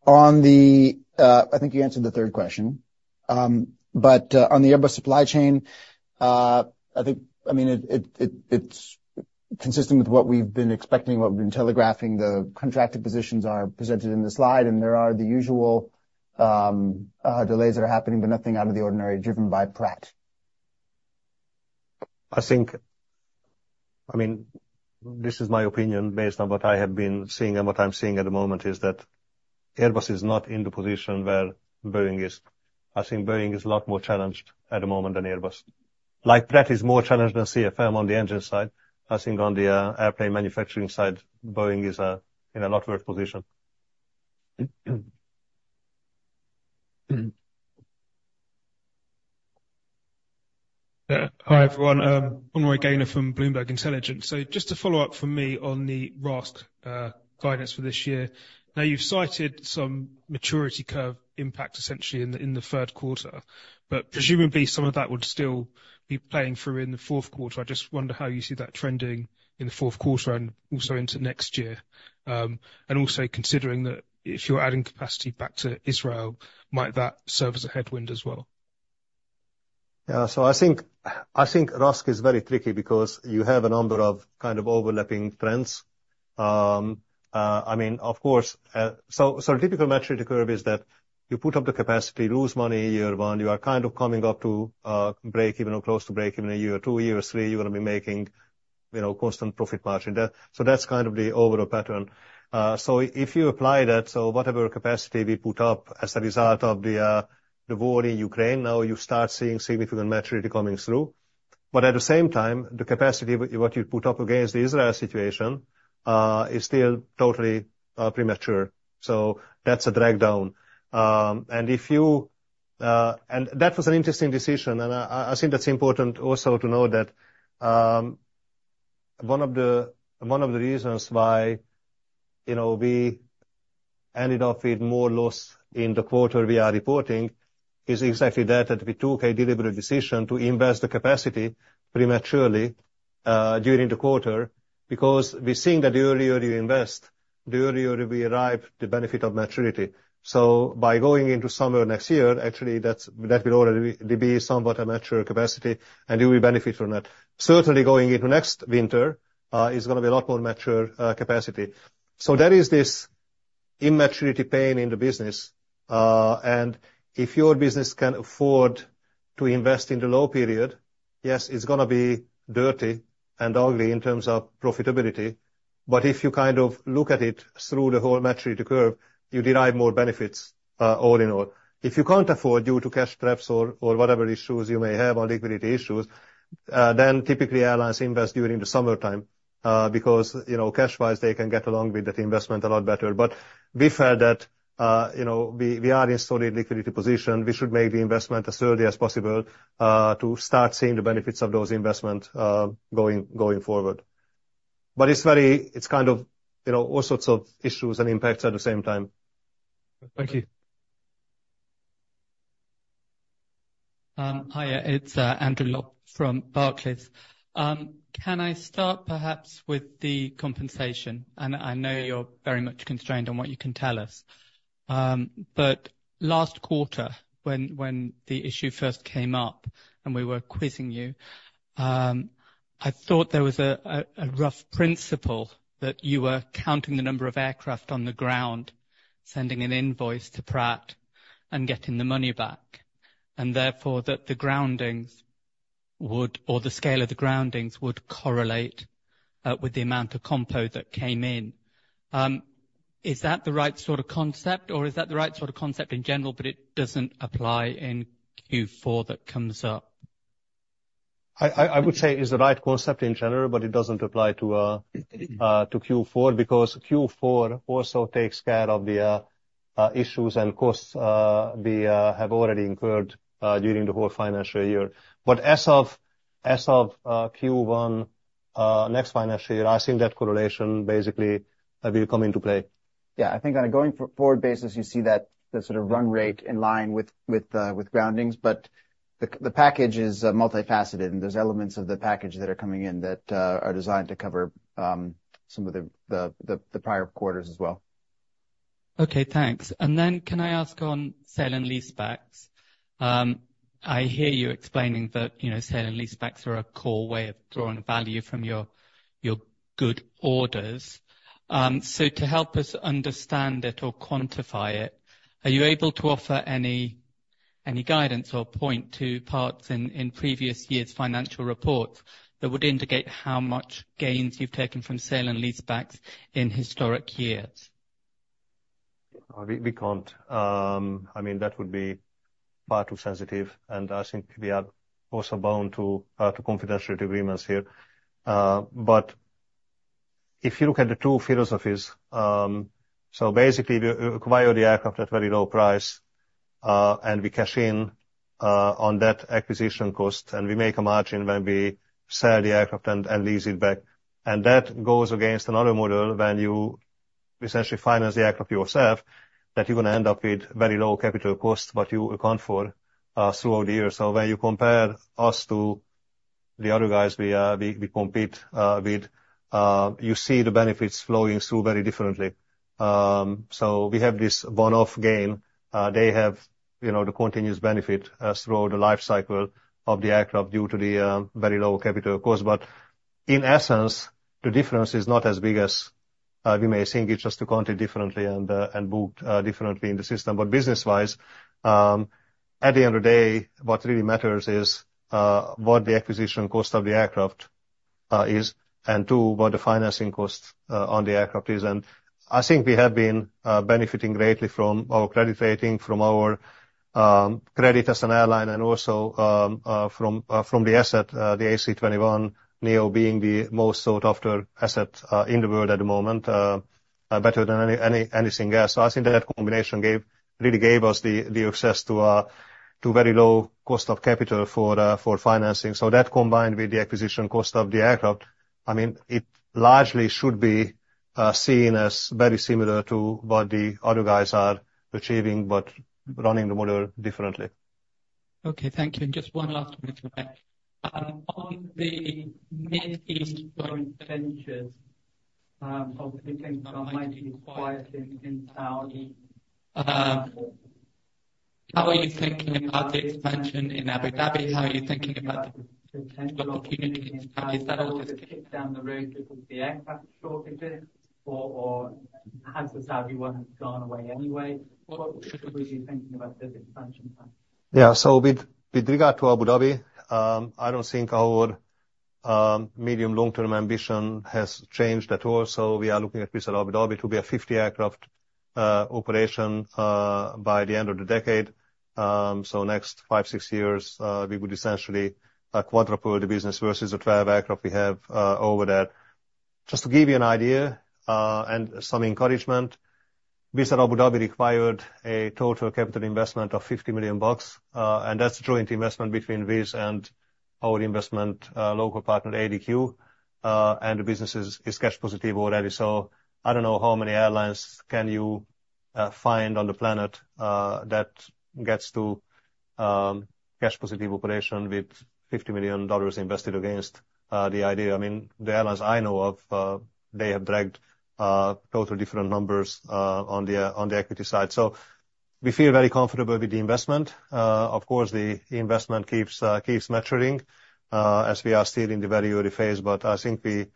think you answered the third question, but on the Airbus supply chain, I think, I mean, it's consistent with what we've been expecting, what we've been telegraphing. The contracted positions are presented in the slide, and there are the usual delays that are happening, but nothing out of the ordinary, driven by Pratt. I think, I mean, this is my opinion, based on what I have been seeing and what I'm seeing at the moment, is that Airbus is not in the position where Boeing is. I think Boeing is a lot more challenged at the moment than Airbus. Like, Pratt is more challenged than CFM on the engine side. I think on the airplane manufacturing side, Boeing is in a lot worse position. Hi, everyone, Roy Gaynor from Bloomberg Intelligence. So just to follow up for me on the RASK, guidance for this year. Now, you've cited some maturity curve impact essentially in the, in the third quarter, but presumably some of that would still be playing through in the fourth quarter. I just wonder how you see that trending in the fourth quarter and also into next year. And also considering that if you're adding capacity back to Israel, might that serve as a headwind as well? Yeah, so I think, I think RASK is very tricky because you have a number of kind of overlapping trends. I mean, of course, so, so a typical maturity curve is that you put up the capacity, lose money in year one, you are kind of coming up to break even or close to break even in year two, year three, you're going to be making, you know, constant profit margin. So that's kind of the overall pattern. So if you apply that, so whatever capacity we put up as a result of the war in Ukraine, now you start seeing significant maturity coming through. But at the same time, the capacity what you put up against the Israel situation is still totally premature. So that's a drag down. That was an interesting decision, and I think that's important also to know that one of the reasons why, you know, we ended up with more loss in the quarter we are reporting is exactly that we took a deliberate decision to invest the capacity prematurely during the quarter, because we're seeing that the earlier you invest, the earlier we arrive the benefit of maturity. So by going into summer next year, actually, that will already be somewhat a mature capacity, and we will benefit from that. Certainly going into next winter is going to be a lot more mature capacity. So there is this immaturity pain in the business, and if your business can afford to invest in the low period, yes, it's going to be dirty and ugly in terms of profitability. But if you kind of look at it through the whole maturity curve, you derive more benefits, all in all. If you can't afford due to cash traps or whatever issues you may have on liquidity issues, then typically airlines invest during the summertime, because, you know, cash-wise, they can get along with that investment a lot better. But we felt that, you know, we are in solid liquidity position, we should make the investment as early as possible, to start seeing the benefits of those investment, going forward. But it's very, it's kind of, you know, all sorts of issues and impacts at the same time. Thank you. Hi, it's Andrew Lock from Barclays. Can I start perhaps with the compensation? And I know you're very much constrained on what you can tell us. But last quarter, when the issue first came up, and we were quizzing you, I thought there was a rough principle that you were counting the number of aircraft on the ground, sending an invoice to Pratt and getting the money back, and therefore, that the groundings would, or the scale of the groundings would correlate with the amount of compo that came in. Is that the right sort of concept, or is that the right sort of concept in general, but it doesn't apply in Q4 that comes up? I would say it's the right concept in general, but it doesn't apply to Q4. Because Q4 also takes care of the issues and costs we have already incurred during the whole financial year. But as of Q1 next financial year, I think that correlation basically will come into play. Yeah, I think on a going forward basis, you see that the sort of run rate in line with groundings. But the package is multifaceted, and there's elements of the package that are coming in that are designed to cover some of the prior quarters as well. Okay, thanks. And then can I ask on sale and leasebacks? I hear you explaining that, you know, sale and leasebacks are a core way of drawing value from your good orders. So to help us understand it or quantify it, are you able to offer any guidance or point to parts in previous years' financial reports that would indicate how much gains you've taken from sale and leasebacks in historic years? We can't. I mean, that would be far too sensitive, and I think we are also bound to confidential agreements here. But if you look at the two philosophies, so basically we acquire the aircraft at very low price, and we cash in on that acquisition cost, and we make a margin when we sell the aircraft and lease it back. And that goes against another model when you essentially finance the aircraft yourself, that you're going to end up with very low capital costs, but you account for throughout the year. So when you compare us to the other guys we compete with, you see the benefits flowing through very differently. So we have this one-off gain. They have, you know, the continuous benefit through the life cycle of the aircraft due to the very low capital cost. But in essence, the difference is not as big as we may think. It's just to count it differently and booked differently in the system. But business-wise, at the end of the day, what really matters is what the acquisition cost of the aircraft is, and two, what the financing cost on the aircraft is. And I think we have been benefiting greatly from our credit rating, from our credit as an airline, and also from the asset, the A321neo being the most sought after asset in the world at the moment, better than anything else. So I think that combination gave, really gave us the access to a very low cost of capital for financing. So that, combined with the acquisition cost of the aircraft, I mean, it largely should be seen as very similar to what the other guys are achieving, but running the model differently. Okay, thank you. And just one last one. On the Middle East joint ventures, obviously things are mighty quiet in, in Saudi. How are you thinking about the expansion in Abu Dhabi? How are you thinking about the potential opportunities, and is that all just kicked down the road because of the aircraft shortages or, or has the Saudi one gone away anyway? What, what are we thinking about the expansion plan? Yeah. So with regard to Abu Dhabi, I don't think our medium, long-term ambition has changed at all. So we are looking at Abu Dhabi to be a 50-aircraft operation by the end of the decade. So next five to six years, we would essentially quadruple the business versus the 12 aircraft we have over there. Just to give you an idea, and some encouragement, Wizz at Abu Dhabi required a total capital investment of $50 million, and that's a joint investment between Wizz and our investment local partner, ADQ. And the business is cash positive already. So I don't know how many airlines can you find on the planet that gets to cash positive operation with $50 million invested against the idea. I mean, the airlines I know of, they have dragged totally different numbers on the equity side. So we feel very comfortable with the investment. Of course, the investment keeps maturing as we are still in the very early phase, but I think we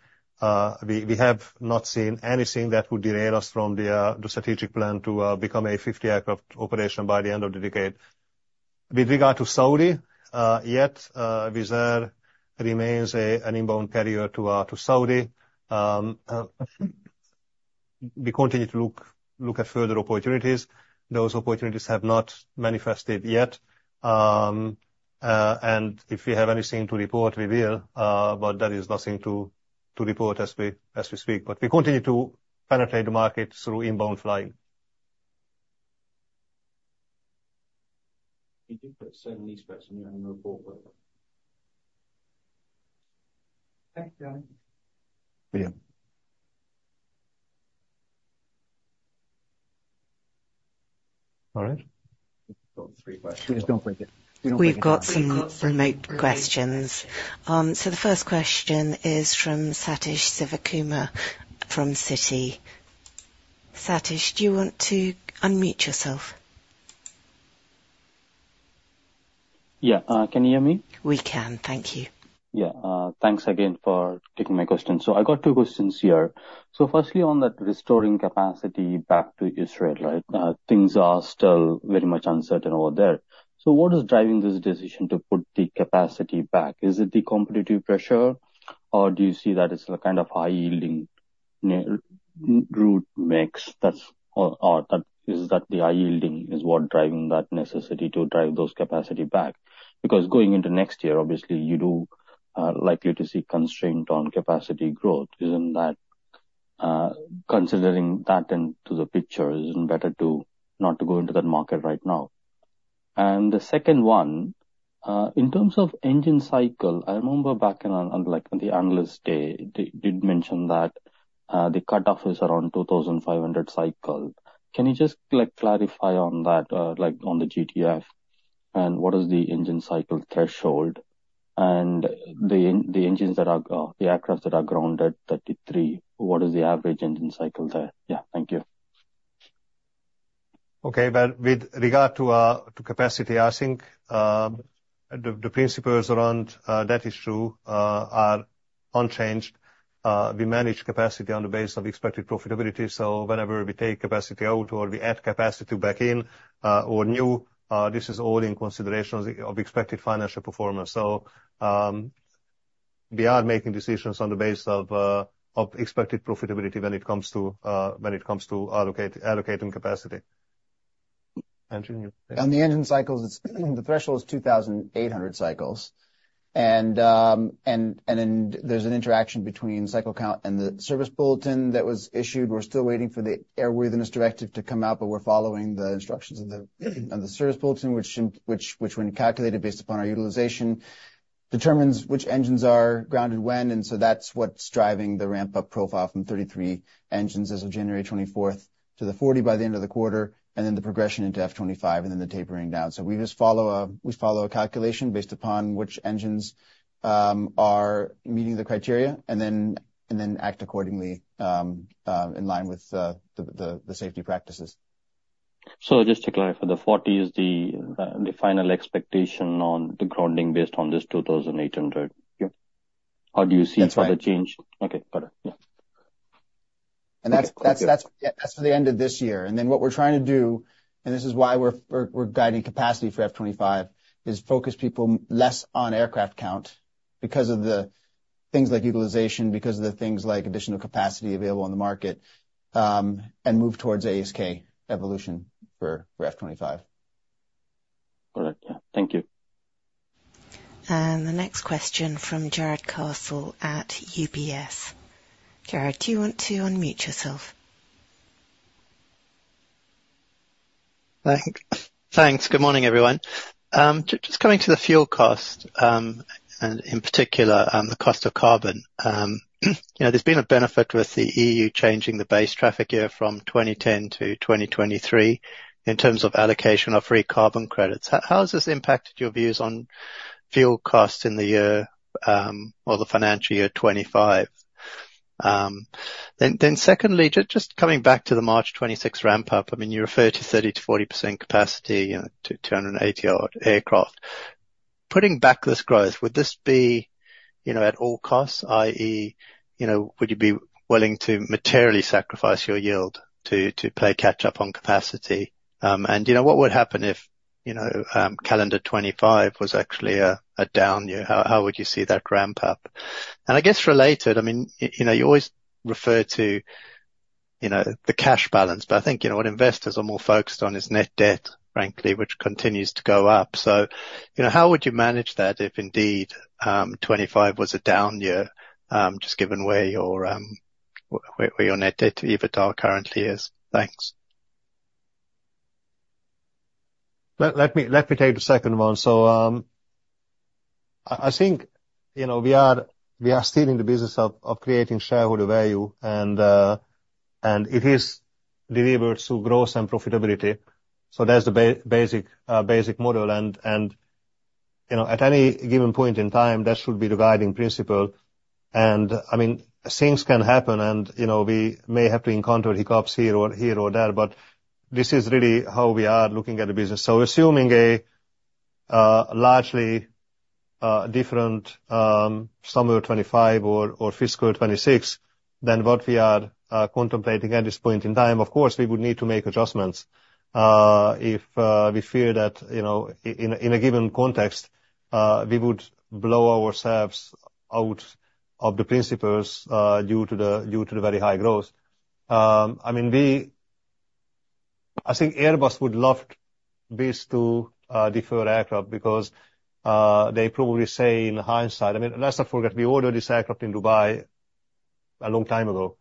have not seen anything that would derail us from the strategic plan to become a 50-aircraft operation by the end of the decade. With regard to Saudi, yet, Wizz Air remains an inbound carrier to Saudi. We continue to look at further opportunities. Those opportunities have not manifested yet. And if we have anything to report, we will, but there is nothing to report as we speak. But we continue to penetrate the market through inbound flying. You did put certain leasebacks in your annual report, but- Thanks, John. Yeah. All right. We've got three questions. Please don't break it. We don't break it. We've got some remote questions. So the first question is from Sathish Sivakumar from Citi. Satish, do you want to unmute yourself? Yeah. Can you hear me? We can. Thank you. Yeah. Thanks again for taking my question. So I got two questions here. So firstly, on that restoring capacity back to Israel, right? Things are still very much uncertain over there. So what is driving this decision to put the capacity back? Is it the competitive pressure, or do you see that as a kind of high-yielding new-market route mix? Or is that the high yielding is what driving that necessity to drive those capacity back? Because going into next year, obviously you do, likely to see constraint on capacity growth. Isn't that, considering that into the picture, isn't better to not to go into that market right now? And the second one, in terms of engine cycle, I remember back in on, like, on the Analyst Day, they did mention that the cutoff is around 2,500 cycle. Can you just, like, clarify on that, like, on the GTF, and what is the engine cycle threshold? And the engines that are the aircraft that are grounded, 33, what is the average engine cycle there? Yeah. Thank you. Okay. Well, with regard to capacity, I think the principles around that is true are unchanged. We manage capacity on the base of expected profitability, so whenever we take capacity out or we add capacity back in or new, this is all in consideration of expected financial performance. So, we are making decisions on the base of expected profitability when it comes to allocating capacity. Andrew, you- On the engine cycles, the threshold is 2,800 cycles, and then there's an interaction between cycle count and the service bulletin that was issued. We're still waiting for the Airworthiness Directive to come out, but we're following the instructions of the service bulletin, which when calculated based upon our utilization, determines which engines are grounded when, and so that's what's driving the ramp-up profile from 33 engines as of January 24th, to the 40 by the end of the quarter, and then the progression into FY 2025, and then the tapering down. So we just follow a calculation based upon which engines are meeting the criteria, and then act accordingly, in line with the safety practices. So just to clarify, the 40 is the, the final expectation on the grounding based on this 2,800? Yeah. Or do you see- That's right. Further change? Okay, got it. Yeah. And that's. Okay. Yeah, that's for the end of this year. And then what we're trying to do, and this is why we're guiding capacity for FY 25, is focus people less on aircraft count because of the things like utilization, because of the things like additional capacity available on the market, and move towards ASK evolution for FY 25. All right. Yeah. Thank you. The next question from Jarrod Castle at UBS. arrod, do you want to unmute yourself? Thanks. Good morning, everyone. Just coming to the fuel cost, and in particular, the cost of carbon. You know, there's been a benefit with the EU changing the base traffic year from 2010 to 2023, in terms of allocation of free carbon credits. How has this impacted your views on fuel costs in the year, or the financial year 2025? Then secondly, just coming back to the March 2026 ramp-up, I mean, you referred to 30%-40% capacity, you know, to 280-odd aircraft. Putting back this growth, would this be, you know, at all costs, i.e., you know, would you be willing to materially sacrifice your yield to play catch up on capacity? And you know, what would happen if, you know, calendar 2025 was actually a down year? How would you see that ramp-up? And I guess related, I mean, you know, you always refer to, you know, the cash balance, but I think, you know, what investors are more focused on is net debt, frankly, which continues to go up. So, you know, how would you manage that if indeed, 2025 was a down year, just given where your, where your net debt, EBITDA currently is? Thanks. Let me take the second one. So, I think, you know, we are still in the business of creating shareholder value, and it is delivered through growth and profitability. So that's the basic model, and, you know, at any given point in time, that should be the guiding principle. And, I mean, things can happen, and, you know, we may have to encounter hiccups here or there, but this is really how we are looking at the business. So assuming a largely different summer 2025 or fiscal 2026 than what we are contemplating at this point in time. Of course, we would need to make adjustments, if we fear that, you know, in a given context, we would blow ourselves out of the principles, due to the very high growth. I mean, I think Airbus would love this to defer aircraft because they probably say in hindsight, I mean, let's not forget we ordered this aircraft in Dubai a long time ago,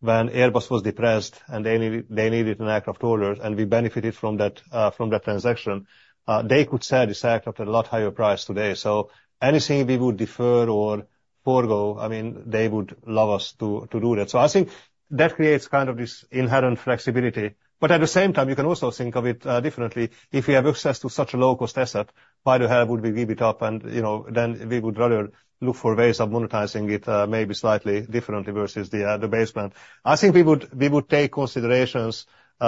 when Airbus was depressed, and they needed, they needed an aircraft order, and we benefited from that, from that transaction. They could sell this aircraft at a lot higher price today. So anything we would defer or forego, I mean, they would love us to do that. So I think that creates kind of this inherent flexibility. But at the same time, you can also think of it differently. If we have access to such a low-cost asset, why the hell would we give it up? And, you know, then we would rather look for ways of monetizing it, maybe slightly differently versus the, the baseline. I think we would, we would take considerations, you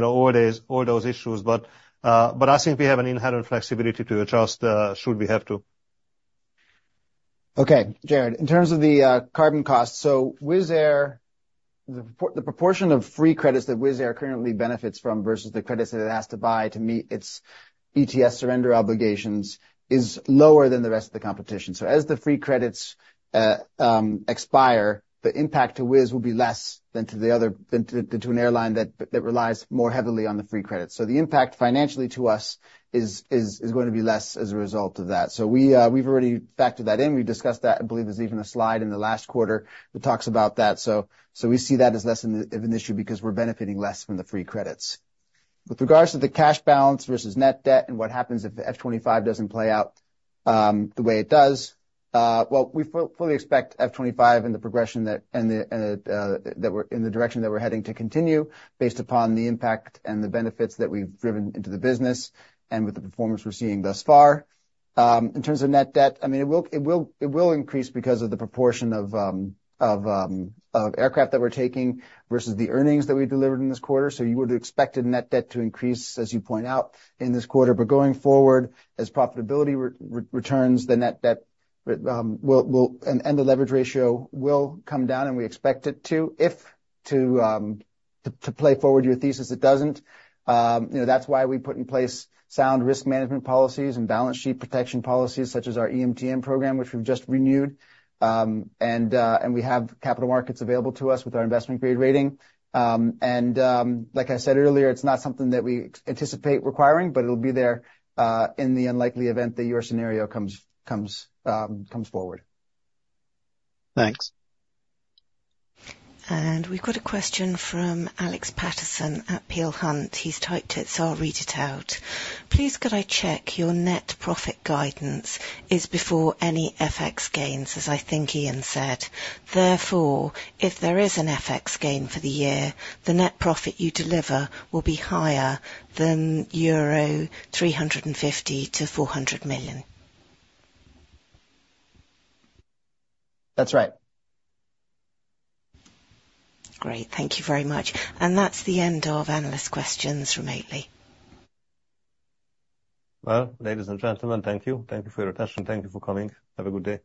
know, all those, all those issues, but, but I think we have an inherent flexibility to adjust, should we have to. Okay. Jared, in terms of the carbon cost, so Wizz Air, the proportion of free credits that Wizz Air currently benefits from versus the credits that it has to buy to meet its ETS surrender obligations is lower than the rest of the competition. So as the free credits expire, the impact to Wizz will be less than to the other, than to an airline that relies more heavily on the free credits. So the impact financially to us is going to be less as a result of that. So we've already factored that in. We discussed that. I believe there's even a slide in the last quarter that talks about that. So we see that as less of an issue because we're benefiting less from the free credits. With regards to the cash balance versus net debt, and what happens if the F-25 doesn't play out the way it does, well, we fully expect F-25 and the progression that we're in the direction that we're heading to continue, based upon the impact and the benefits that we've driven into the business and with the performance we're seeing thus far. In terms of net debt, I mean, it will increase because of the proportion of aircraft that we're taking versus the earnings that we delivered in this quarter. So you would expect the net debt to increase, as you point out, in this quarter. But going forward, as profitability returns, the net debt will, and the leverage ratio will come down, and we expect it to. If to play forward your thesis, it doesn't, you know, that's why we put in place sound risk management policies and balance sheet protection policies, such as our EMTN program, which we've just renewed. And we have capital markets available to us with our investment grade rating. And, like I said earlier, it's not something that we anticipate requiring, but it'll be there in the unlikely event that your scenario comes forward. Thanks. We've got a question from Alex Paterson at Peel Hunt. He's typed it, so I'll read it out: Please, could I check your net profit guidance is before any FX gains, as I think Ian said, therefore, if there is an FX gain for the year, the net profit you deliver will be higher than 350 million-400 million euro? That's right. Great. Thank you very much. That's the end of analyst questions from Atley. Well, ladies and gentlemen, thank you. Thank you for your attention. Thank you for coming. Have a good day.